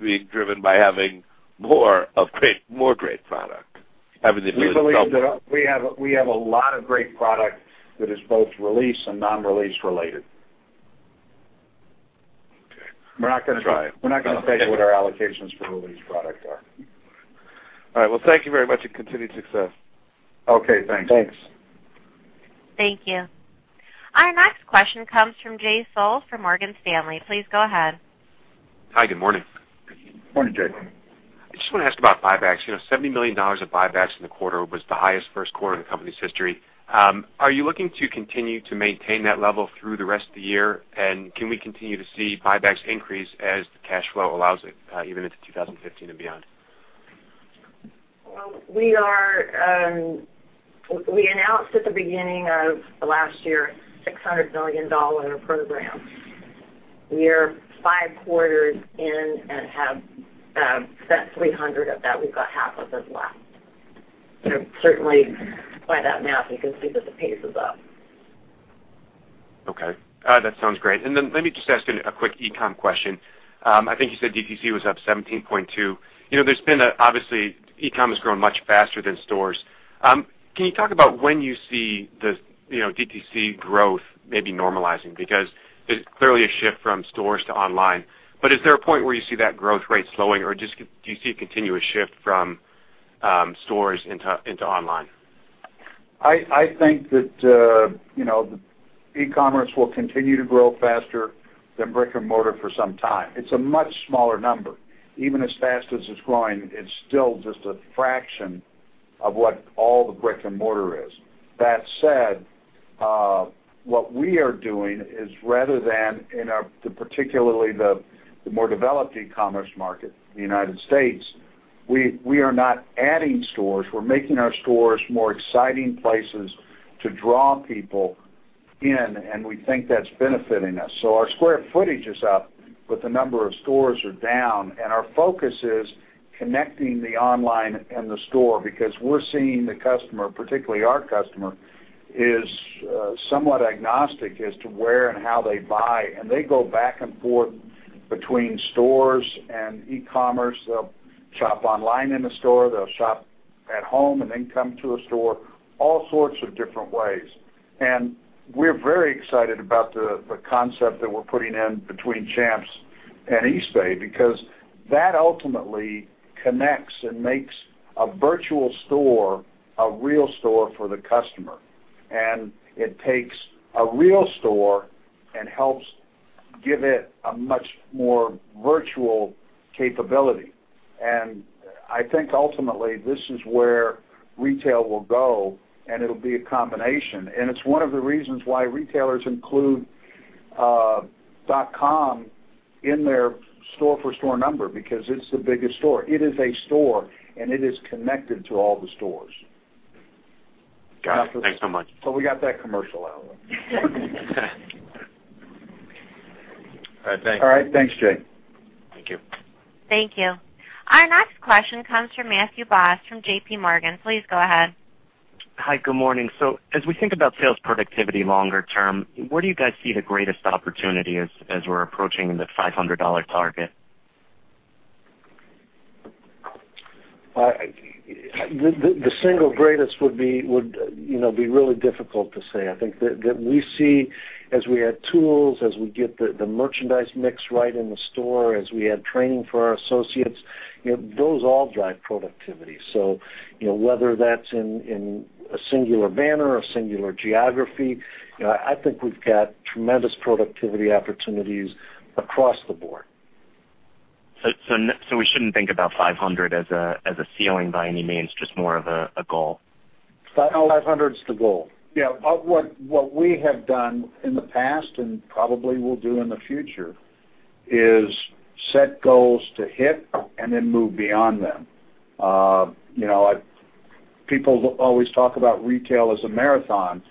Speaker 10: being driven by having more great product? I mean, if it was double.
Speaker 5: We believe that we have a lot of great product that is both release and non-release related.
Speaker 10: Okay. I'll try it.
Speaker 5: We're not going to tell you what our allocations for release product are.
Speaker 10: All right. Well, thank you very much and continued success.
Speaker 5: Okay, thanks.
Speaker 4: Thanks.
Speaker 1: Thank you. Our next question comes from Jay Sole from Morgan Stanley. Please go ahead.
Speaker 11: Hi, good morning.
Speaker 4: Morning, Jay.
Speaker 11: I just want to ask about buybacks. $70 million of buybacks in the quarter was the highest first quarter in the company's history. Are you looking to continue to maintain that level through the rest of the year? Can we continue to see buybacks increase as the cash flow allows it, even into 2015 and beyond?
Speaker 3: Well, we announced at the beginning of last year a $600 million program. We are five quarters in and have spent $300 of that. We've got half of it left. Certainly, by that math, you can see that the pace is up.
Speaker 11: Okay. That sounds great. Then let me just ask a quick e-com question. I think you said DTC was up 17.2%. Obviously, e-com has grown much faster than stores. Can you talk about when you see the DTC growth maybe normalizing? Because there's clearly a shift from stores to online. Is there a point where you see that growth rate slowing, or just do you see a continuous shift from stores into online?
Speaker 5: I think that e-commerce will continue to grow faster than brick and mortar for some time. It's a much smaller number. Even as fast as it's growing, it's still just a fraction of what all the brick and mortar is. What we are doing is rather than in, particularly the more developed e-commerce market in the U.S., we are not adding stores. We're making our stores more exciting places to draw people in, and we think that's benefiting us. Our square footage is up, but the number of stores are down, our focus is connecting the online and the store because we're seeing the customer, particularly our customer, is somewhat agnostic as to where and how they buy. They go back and forth between stores and e-commerce. They'll shop online in a store, they'll shop at home and then come to a store, all sorts of different ways. We're very excited about the concept that we're putting in between Champs and Eastbay because that ultimately connects and makes a virtual store a real store for the customer. It takes a real store and helps give it a much more virtual capability. I think ultimately this is where retail will go, and it'll be a combination. It's one of the reasons why retailers include .com in their store for store number because it's the biggest store. It is a store, and it is connected to all the stores.
Speaker 11: Got it. Thanks so much.
Speaker 5: We got that commercial out. All right, thanks. All right. Thanks, Jay.
Speaker 11: Thank you.
Speaker 1: Thank you. Our next question comes from Matthew Boss from J.P. Morgan. Please go ahead.
Speaker 12: Hi. Good morning. As we think about sales productivity longer term, where do you guys see the greatest opportunity as we're approaching the $500 target?
Speaker 5: The single greatest would be really difficult to say. I think that we see as we add tools, as we get the merchandise mix right in the store, as we add training for our associates, those all drive productivity. Whether that's in a singular banner or singular geography, I think we've got tremendous productivity opportunities across the board.
Speaker 12: We shouldn't think about $500 as a ceiling by any means, just more of a goal.
Speaker 5: $500 is the goal. Yeah. What we have done in the past, probably will do in the future, is set goals to hit then move beyond them. People always talk about retail as a marathon,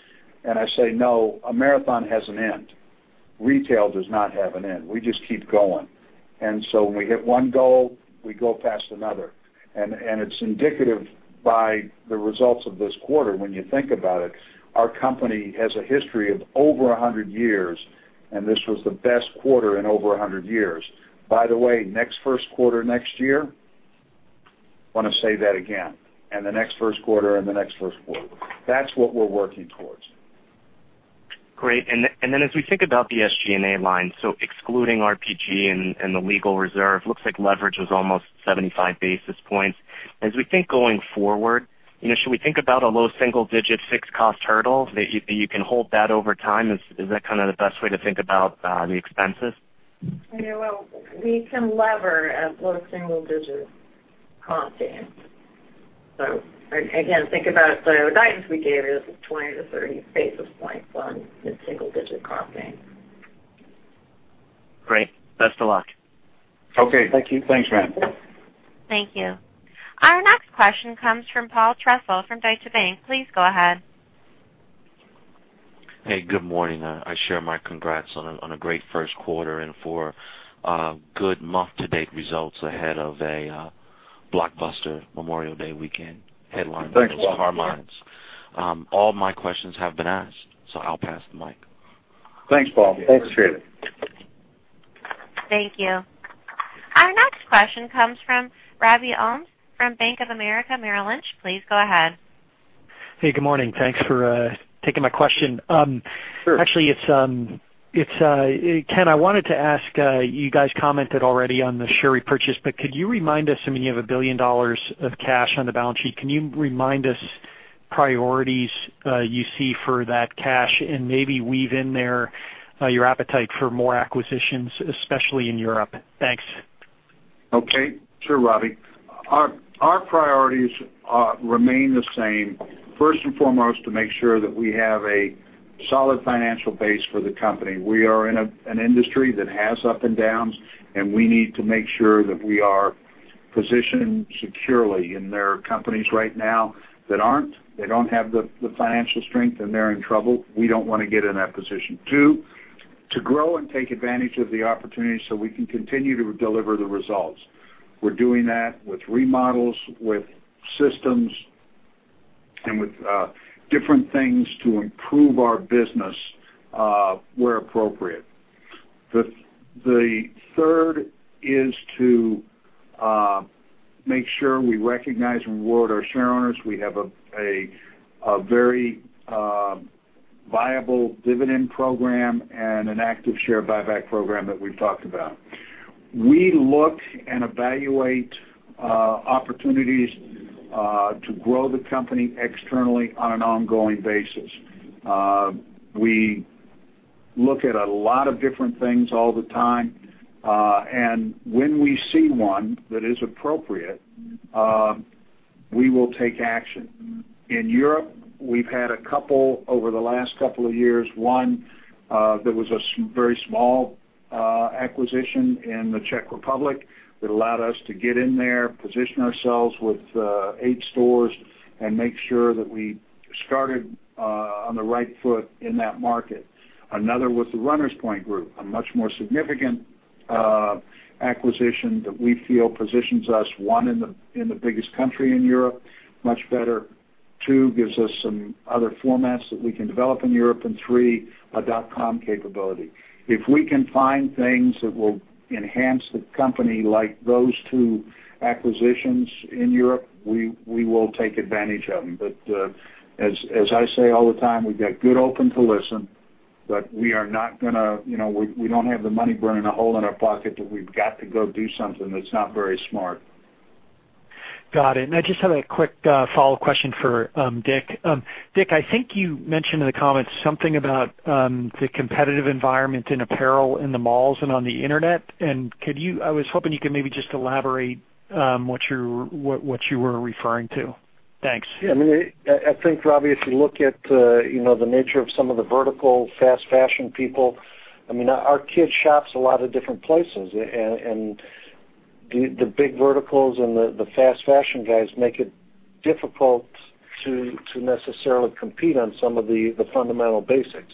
Speaker 5: and I say, "No, a marathon has an end. Retail does not have an end. We just keep going." When we hit one goal, we go past another. It's indicative by the results of this quarter, when you think about it. Our company has a history of over 100 years, and this was the best quarter in over 100 years. By the way, next first quarter next year, want to say that again. The next first quarter and the next first quarter. That's what we're working towards.
Speaker 12: Great. As we think about the SG&A line, excluding RPG and the legal reserve, looks like leverage was almost 75 basis points. As we think going forward, should we think about a low single-digit fixed cost hurdle that you can hold that over time? Is that the best way to think about the expenses?
Speaker 3: We can lever at low single-digit cost base. Again, think about the guidance we gave you. This is 20 to 30 basis points on the single-digit cost base.
Speaker 12: Great. Best of luck.
Speaker 5: Okay. Thank you. Thanks, Matt.
Speaker 1: Thank you. Our next question comes from Paul Trussell from Deutsche Bank. Please go ahead.
Speaker 13: Hey, good morning. I share my congrats on a great first quarter and for good month-to-date results ahead of a blockbuster Memorial Day weekend headlined by those Carmine.
Speaker 5: Thanks, Paul.
Speaker 13: All my questions have been asked. I'll pass the mic.
Speaker 5: Thanks, Paul. Thanks for it.
Speaker 1: Thank you. Our next question comes from Robbie Ohmes from Bank of America Merrill Lynch. Please go ahead.
Speaker 14: Hey, good morning. Thanks for taking my question.
Speaker 5: Sure.
Speaker 14: Ken, I wanted to ask, you guys commented already on the share purchase, but could you remind us, you have $1 billion of cash on the balance sheet? Can you remind us priorities you see for that cash and maybe weave in there your appetite for more acquisitions, especially in Europe? Thanks.
Speaker 5: Okay. Sure, Robbie. Our priorities remain the same. First and foremost, to make sure that we have a solid financial base for the company. We are in an industry that has ups and downs, and we need to make sure that we are positioned securely. There are companies right now that aren't. They don't have the financial strength, and they're in trouble. We don't want to get in that position. Two, to grow and take advantage of the opportunity so we can continue to deliver the results. We're doing that with remodels, with systems, and with different things to improve our business where appropriate. The third is to make sure we recognize and reward our shareowners. We have a very viable dividend program and an active share buyback program that we've talked about. We look and evaluate opportunities to grow the company externally on an ongoing basis. We look at a lot of different things all the time. When we see one that is appropriate, we will take action. In Europe, we've had a couple over the last couple of years. One that was a very small acquisition in the Czech Republic that allowed us to get in there, position ourselves with eight stores and make sure that we started on the right foot in that market. Another was the Runners Point Group, a much more significant acquisition that we feel positions us, one, in the biggest country in Europe, much better. Two, gives us some other formats that we can develop in Europe. Three, a dotcom capability. If we can find things that will enhance the company like those two acquisitions in Europe, we will take advantage of them. As I say all the time, we've got good open to listen, but we don't have the money burning a hole in our pocket that we've got to go do something that's not very smart.
Speaker 14: Got it. I just had a quick follow-up question for Dick. Dick, I think you mentioned in the comments something about the competitive environment in apparel in the malls and on the internet. I was hoping you could maybe just elaborate what you were referring to. Thanks.
Speaker 4: Yeah, I think, Robbie, if you look at the nature of some of the vertical fast fashion people, our kid shops a lot of different places. The big verticals and the fast fashion guys make it difficult to necessarily compete on some of the fundamental basics.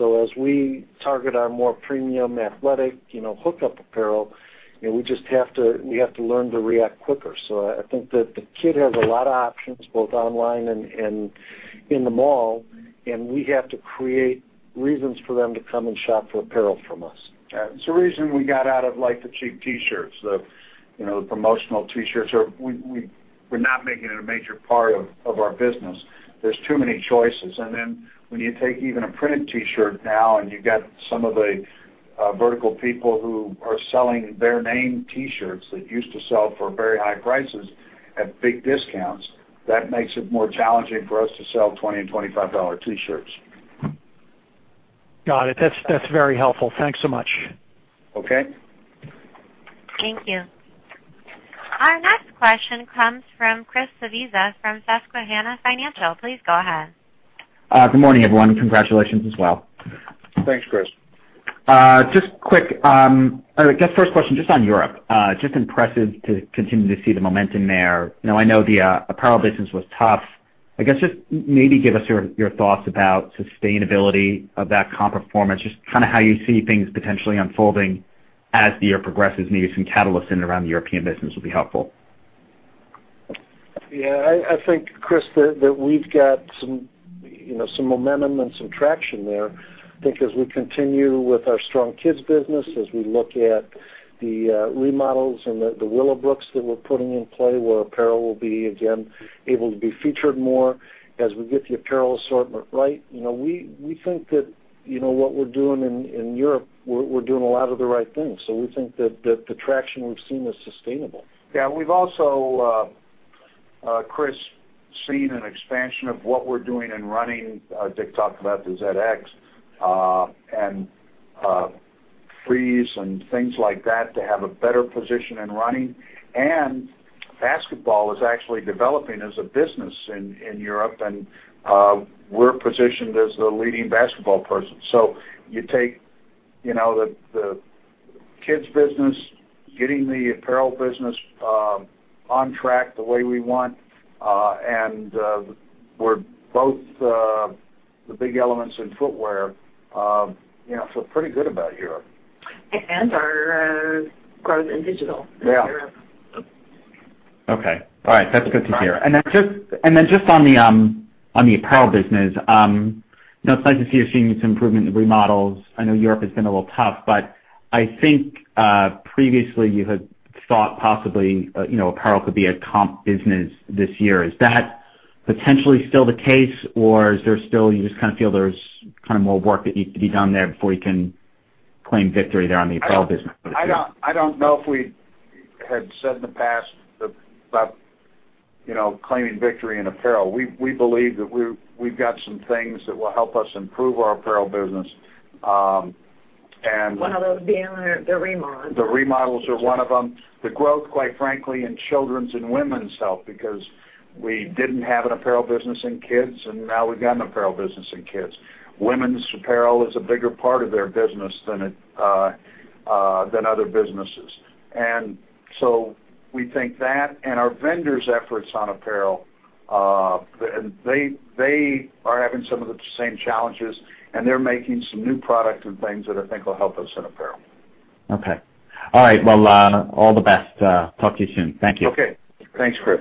Speaker 4: As we target our more premium athletic, hookup apparel, we have to learn to react quicker. I think that the kid has a lot of options, both online and in the mall, and we have to create reasons for them to come and shop for apparel from us.
Speaker 5: Yeah. It's the reason we got out of the cheap T-shirts, the promotional T-shirts. We're not making it a major part of our business. There's too many choices. When you take even a printed T-shirt now and you got some of the vertical people who are selling their name T-shirts that used to sell for very high prices at big discounts, that makes it more challenging for us to sell $20 and $25 T-shirts.
Speaker 14: Got it. That's very helpful. Thanks so much.
Speaker 5: Okay.
Speaker 1: Thank you. Our next question comes from Chris Svezia from Susquehanna Financial. Please go ahead.
Speaker 15: Good morning, everyone. Congratulations as well.
Speaker 5: Thanks, Chris.
Speaker 15: Just quick, I guess first question just on Europe. Just impressive to continue to see the momentum there. I know the apparel business was tough. I guess just maybe give us your thoughts about sustainability of that comp performance, just how you see things potentially unfolding as the year progresses. Maybe some catalysts in and around the European business will be helpful.
Speaker 4: Yeah. I think, Chris, that we've got some momentum and some traction there because we continue with our strong kids business, as we look at the remodels and the Willowbrooks that we're putting in play where apparel will be again able to be featured more as we get the apparel assortment right. We think that what we're doing in Europe, we're doing a lot of the right things. We think that the traction we've seen is sustainable.
Speaker 5: Yeah. We've also, Chris, seen an expansion of what we're doing in running. Dick talked about the ZX and Free and things like that to have a better position in running. Basketball is actually developing as a business in Europe, and we're positioned as the leading basketball person. You take the kids business, getting the apparel business on track the way we want, and we're both the big elements in footwear. I feel pretty good about Europe.
Speaker 3: Our growth in digital in Europe.
Speaker 5: Yeah.
Speaker 15: Okay. All right. That's good to hear. Just on the apparel business, it's nice to see you're seeing some improvement in remodels. I know Europe has been a little tough, I think, previously you had thought possibly apparel could be a comp business this year. Is that potentially still the case, or you just feel there's more work that needs to be done there before you can claim victory there on the apparel business?
Speaker 5: I don't know if we had said in the past about claiming victory in apparel. We believe that we've got some things that will help us improve our apparel business.
Speaker 3: One of those being the remodels.
Speaker 5: The remodels are one of them. The growth, quite frankly, in children's and women's health because we didn't have an apparel business in kids, and now we've got an apparel business in kids. Women's apparel is a bigger part of their business than other businesses. We think that and our vendors' efforts on apparel, they are having some of the same challenges, and they're making some new product and things that I think will help us in apparel.
Speaker 15: Okay. All right. Well, all the best. Talk to you soon. Thank you.
Speaker 5: Okay. Thanks, Chris.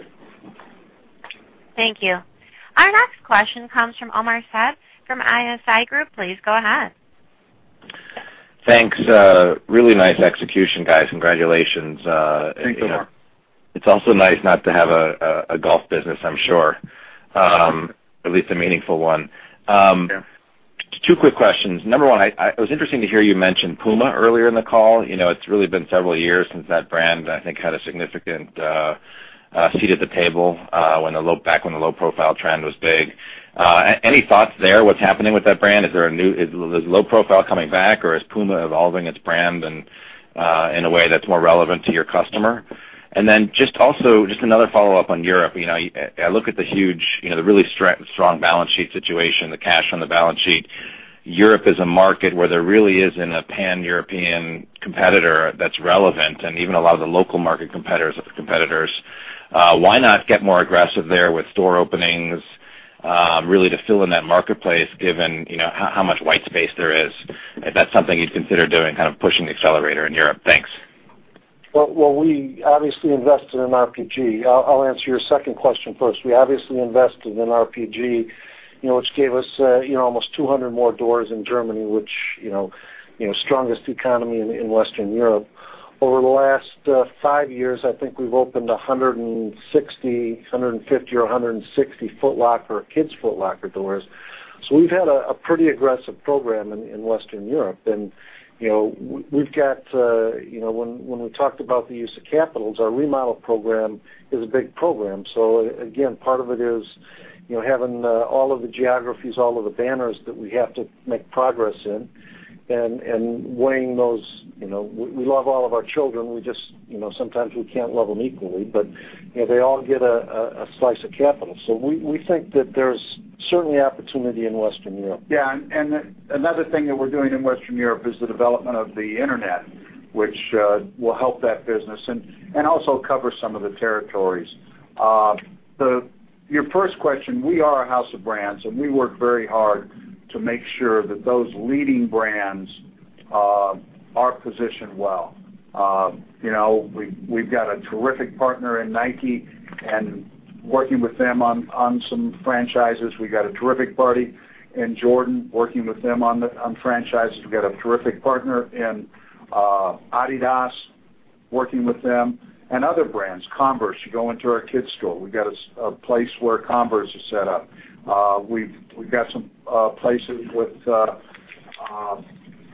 Speaker 1: Thank you. Our next question comes from Omar Saad from ISI Group. Please go ahead.
Speaker 16: Thanks. Really nice execution, guys. Congratulations.
Speaker 5: Thanks, Omar.
Speaker 16: It's also nice not to have a golf business, I'm sure. At least a meaningful one.
Speaker 5: Yeah.
Speaker 16: Just two quick questions. Number one, it was interesting to hear you mention Puma earlier in the call. It's really been several years since that brand, I think, had a significant seat at the table back when the low profile trend was big. Any thoughts there? What's happening with that brand? Is low profile coming back or is Puma evolving its brand in a way that's more relevant to your customer? Just also, just another follow-up on Europe. I look at the really strong balance sheet situation, the cash on the balance sheet. Europe is a market where there really isn't a pan-European competitor that's relevant, and even a lot of the local market competitors are competitors. Why not get more aggressive there with store openings, really to fill in that marketplace, given how much white space there is? Is that something you'd consider doing, kind of pushing the accelerator in Europe? Thanks.
Speaker 5: We obviously invested in RPG. I'll answer your second question first. We obviously invested in RPG, which gave us almost 200 more doors in Germany, which, strongest economy in Western Europe. Over the last five years, I think we've opened 150 or 160 Foot Locker or Kids Foot Locker doors. We've had a pretty aggressive program in Western Europe. When we talked about the use of capitals, our remodel program is a big program. Again, part of it is having all of the geographies, all of the banners that we have to make progress in and weighing those. We love all of our children, we just sometimes we can't love them equally, but they all get a slice of capital. We think that there's certainly opportunity in Western Europe. Another thing that we're doing in Western Europe is the development of the internet, which will help that business and also cover some of the territories. Your first question, we are a house of brands, and we work very hard to make sure that those leading brands are positioned well. We've got a terrific partner in Nike and working with them on some franchises. We've got a terrific party in Jordan, working with them on franchises. We've got a terrific partner in Adidas, working with them, and other brands. Converse, you go into our kids' store, we've got a place where Converse is set up. We've got some places with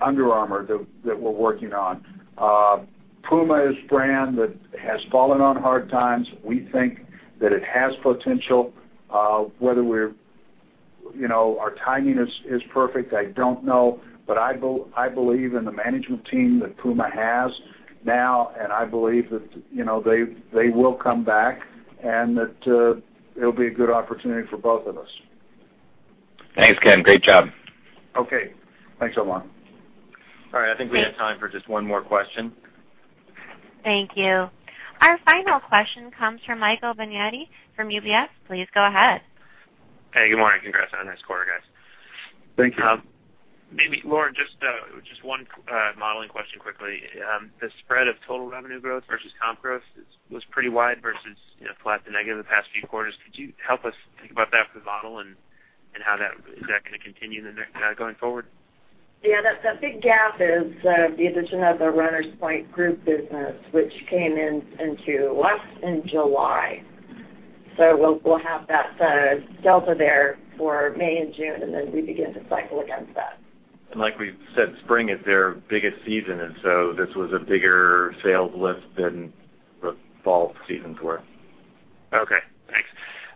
Speaker 5: Under Armour that we're working on. Puma is a brand that has fallen on hard times. We think that it has potential. Whether our timing is perfect, I don't know. I believe in the management team that Puma has now, and I believe that they will come back and that it'll be a good opportunity for both of us.
Speaker 16: Thanks, Ken. Great job.
Speaker 5: Okay. Thanks, Omar.
Speaker 2: All right. I think we have time for just one more question.
Speaker 1: Thank you. Our final question comes from Michael Binetti from UBS. Please go ahead.
Speaker 17: Hey, good morning. Congrats on this quarter, guys.
Speaker 5: Thank you.
Speaker 17: Maybe, Lauren, just one modeling question quickly. The spread of total revenue growth versus comp growth was pretty wide versus flat to negative the past few quarters. Could you help us think about that for the model and how that is going to continue going forward?
Speaker 3: Yeah. That big gap is the addition of the Runners Point Group business, which came into us in July. We'll have that delta there for May and June, then we begin to cycle against that.
Speaker 2: Like we've said, spring is their biggest season, this was a bigger sales lift than the fall seasons were.
Speaker 17: Okay, thanks.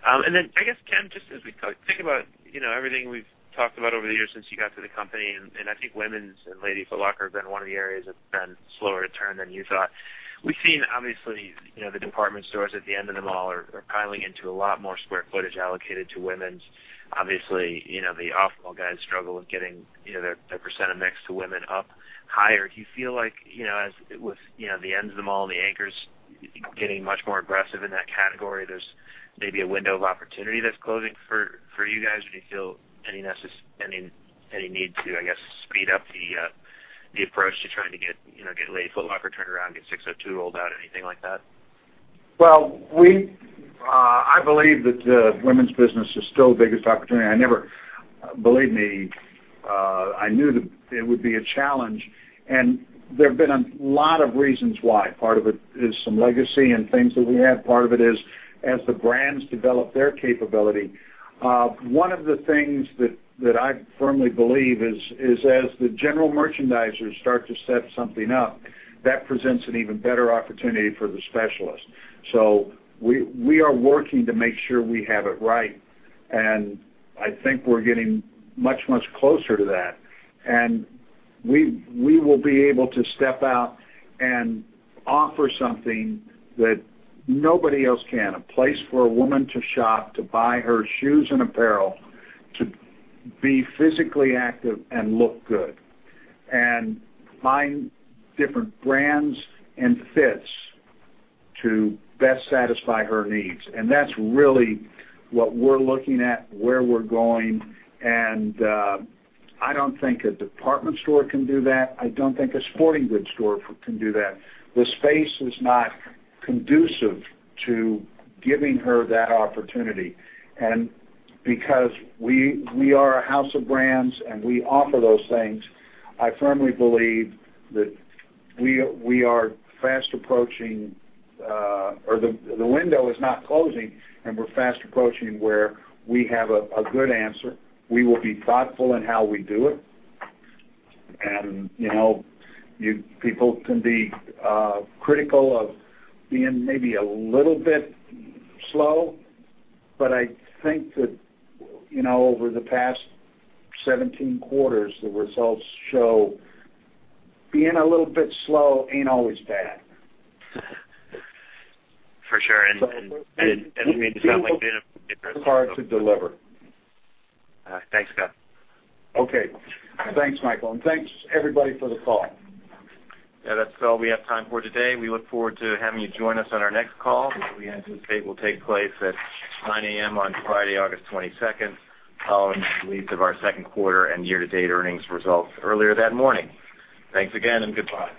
Speaker 17: I guess, Ken, just as we think about everything we've talked about over the years since you got to the company, I think women's and Lady Foot Locker have been one of the areas that's been slower to turn than you thought. We've seen, obviously, the department stores at the end of the mall are piling into a lot more square footage allocated to women's. Obviously, the off-mall guys struggle with getting their % of mix to women up higher. Do you feel like, as with the ends of the mall and the anchors getting much more aggressive in that category, there's maybe a window of opportunity that's closing for you guys? Do you feel any need to, I guess, speed up the approach to trying to get Lady Foot Locker turned around, get SIX:02 rolled out, anything like that?
Speaker 5: Well, I believe that the women's business is still the biggest opportunity. Believe me, I knew that it would be a challenge, there have been a lot of reasons why. Part of it is some legacy and things that we have. Part of it is as the brands develop their capability. One of the things that I firmly believe is as the general merchandisers start to set something up, that presents an even better opportunity for the specialist. We are working to make sure we have it right, I think we're getting much, much closer to that. We will be able to step out and offer something that nobody else can, a place for a woman to shop, to buy her shoes and apparel, to be physically active and look good, find different brands and fits to best satisfy her needs. That's really what we're looking at, where we're going, I don't think a department store can do that. I don't think a sporting goods store can do that. The space is not conducive to giving her that opportunity. Because we are a house of brands and we offer those things, I firmly believe that we are fast approaching, or the window is not closing, and we're fast approaching where we have a good answer. We will be thoughtful in how we do it. People can be critical of being maybe a little bit slow, but I think that over the past 17 quarters, the results show being a little bit slow ain't always bad.
Speaker 17: For sure. It means-
Speaker 5: Hard to deliver.
Speaker 17: All right. Thanks, [guys].
Speaker 5: Okay. Thanks, Michael, and thanks everybody for the call.
Speaker 2: Yeah, that's all we have time for today. We look forward to having you join us on our next call, which we anticipate will take place at 9:00 A.M. on Friday, August 22nd, following the release of our second quarter and year-to-date earnings results earlier that morning. Thanks again and goodbye.